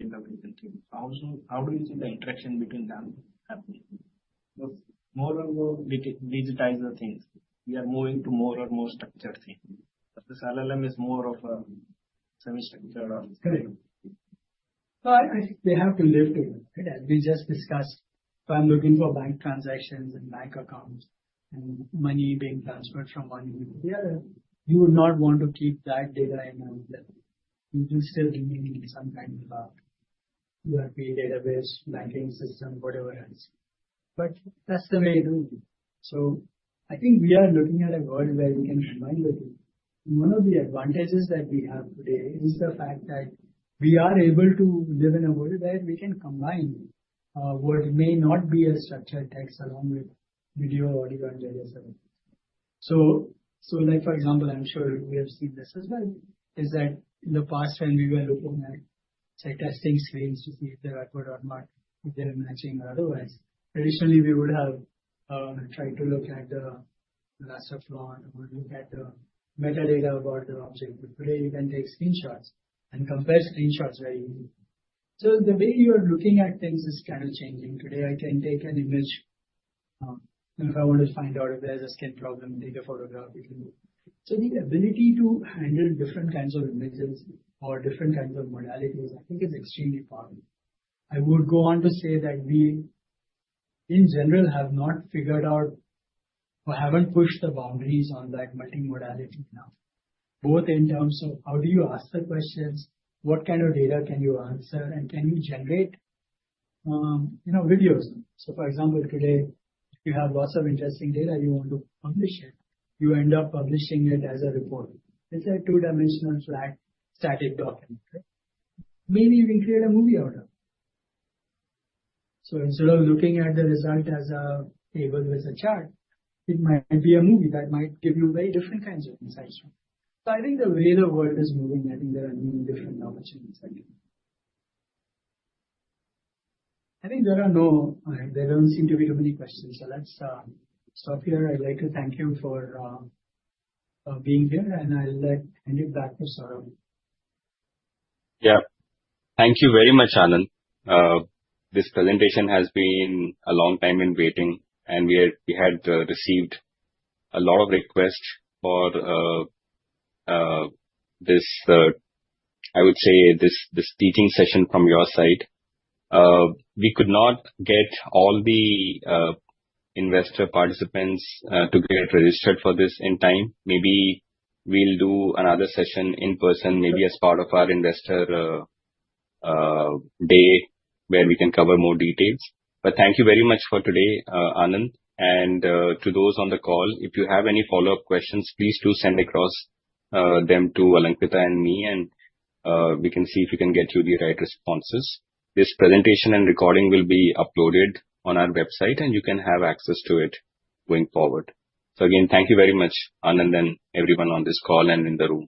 in the way that you think. How do you see the interaction between them happening? More and more digitized things. We are moving to more and more structured things. This LLM is more of a semi-structured. Correct. So I think they have to live together, right? As we just discussed, if I'm looking for bank transactions and bank accounts and money being transferred from one to the other, you would not want to keep that data in a way. You do still need some kind of an ERP database, banking system, whatever else. But that's the way it will be. So I think we are looking at a world where we can combine the two. One of the advantages that we have today is the fact that we are able to live in a world where we can combine what may not be a structured text along with video, audio, and various other things. So for example, I'm sure we have seen this as well, is that in the past when we were looking at, say, testing screens to see if they're up or not, if they're matching or otherwise, traditionally, we would have tried to look at the layout flaw and look at the metadata about the object. Today, you can take screenshots and compare screenshots very easily. So the way you are looking at things is kind of changing. Today, I can take an image. If I want to find out if there's a skin problem in the photograph, it can be. So the ability to handle different kinds of images or different kinds of modalities, I think it's extremely powerful. I would go on to say that we, in general, have not figured out or haven't pushed the boundaries on that multimodality now, both in terms of how do you ask the questions, what kind of data can you answer, and can you generate videos. So for example, today, if you have lots of interesting data, you want to publish it, you end up publishing it as a report. It's a two-dimensional flat static document, right? Maybe you can create a movie out of it. So instead of looking at the result as a table with a chart, it might be a movie that might give you very different kinds of insights from it. So I think the way the world is moving, I think there are many different opportunities. I think there are no, there don't seem to be too many questions. So let's stop here. I'd like to thank you for being here, and I'll hand it back to Saurabh. Yeah. Thank you very much, Anand. This presentation has been a long time in waiting, and we had received a lot of requests for this, I would say, this teaching session from your side. We could not get all the investor participants to get registered for this in time. Maybe we'll do another session in person, maybe as part of our investor day where we can cover more details. Thank you very much for today, Anand. To those on the call, if you have any follow-up questions, please do send across them to Ankita and me, and we can see if we can get you the right responses. This presentation and recording will be uploaded on our website, and you can have access to it going forward. Again, thank you very much, Anand, and everyone on this call and in the room.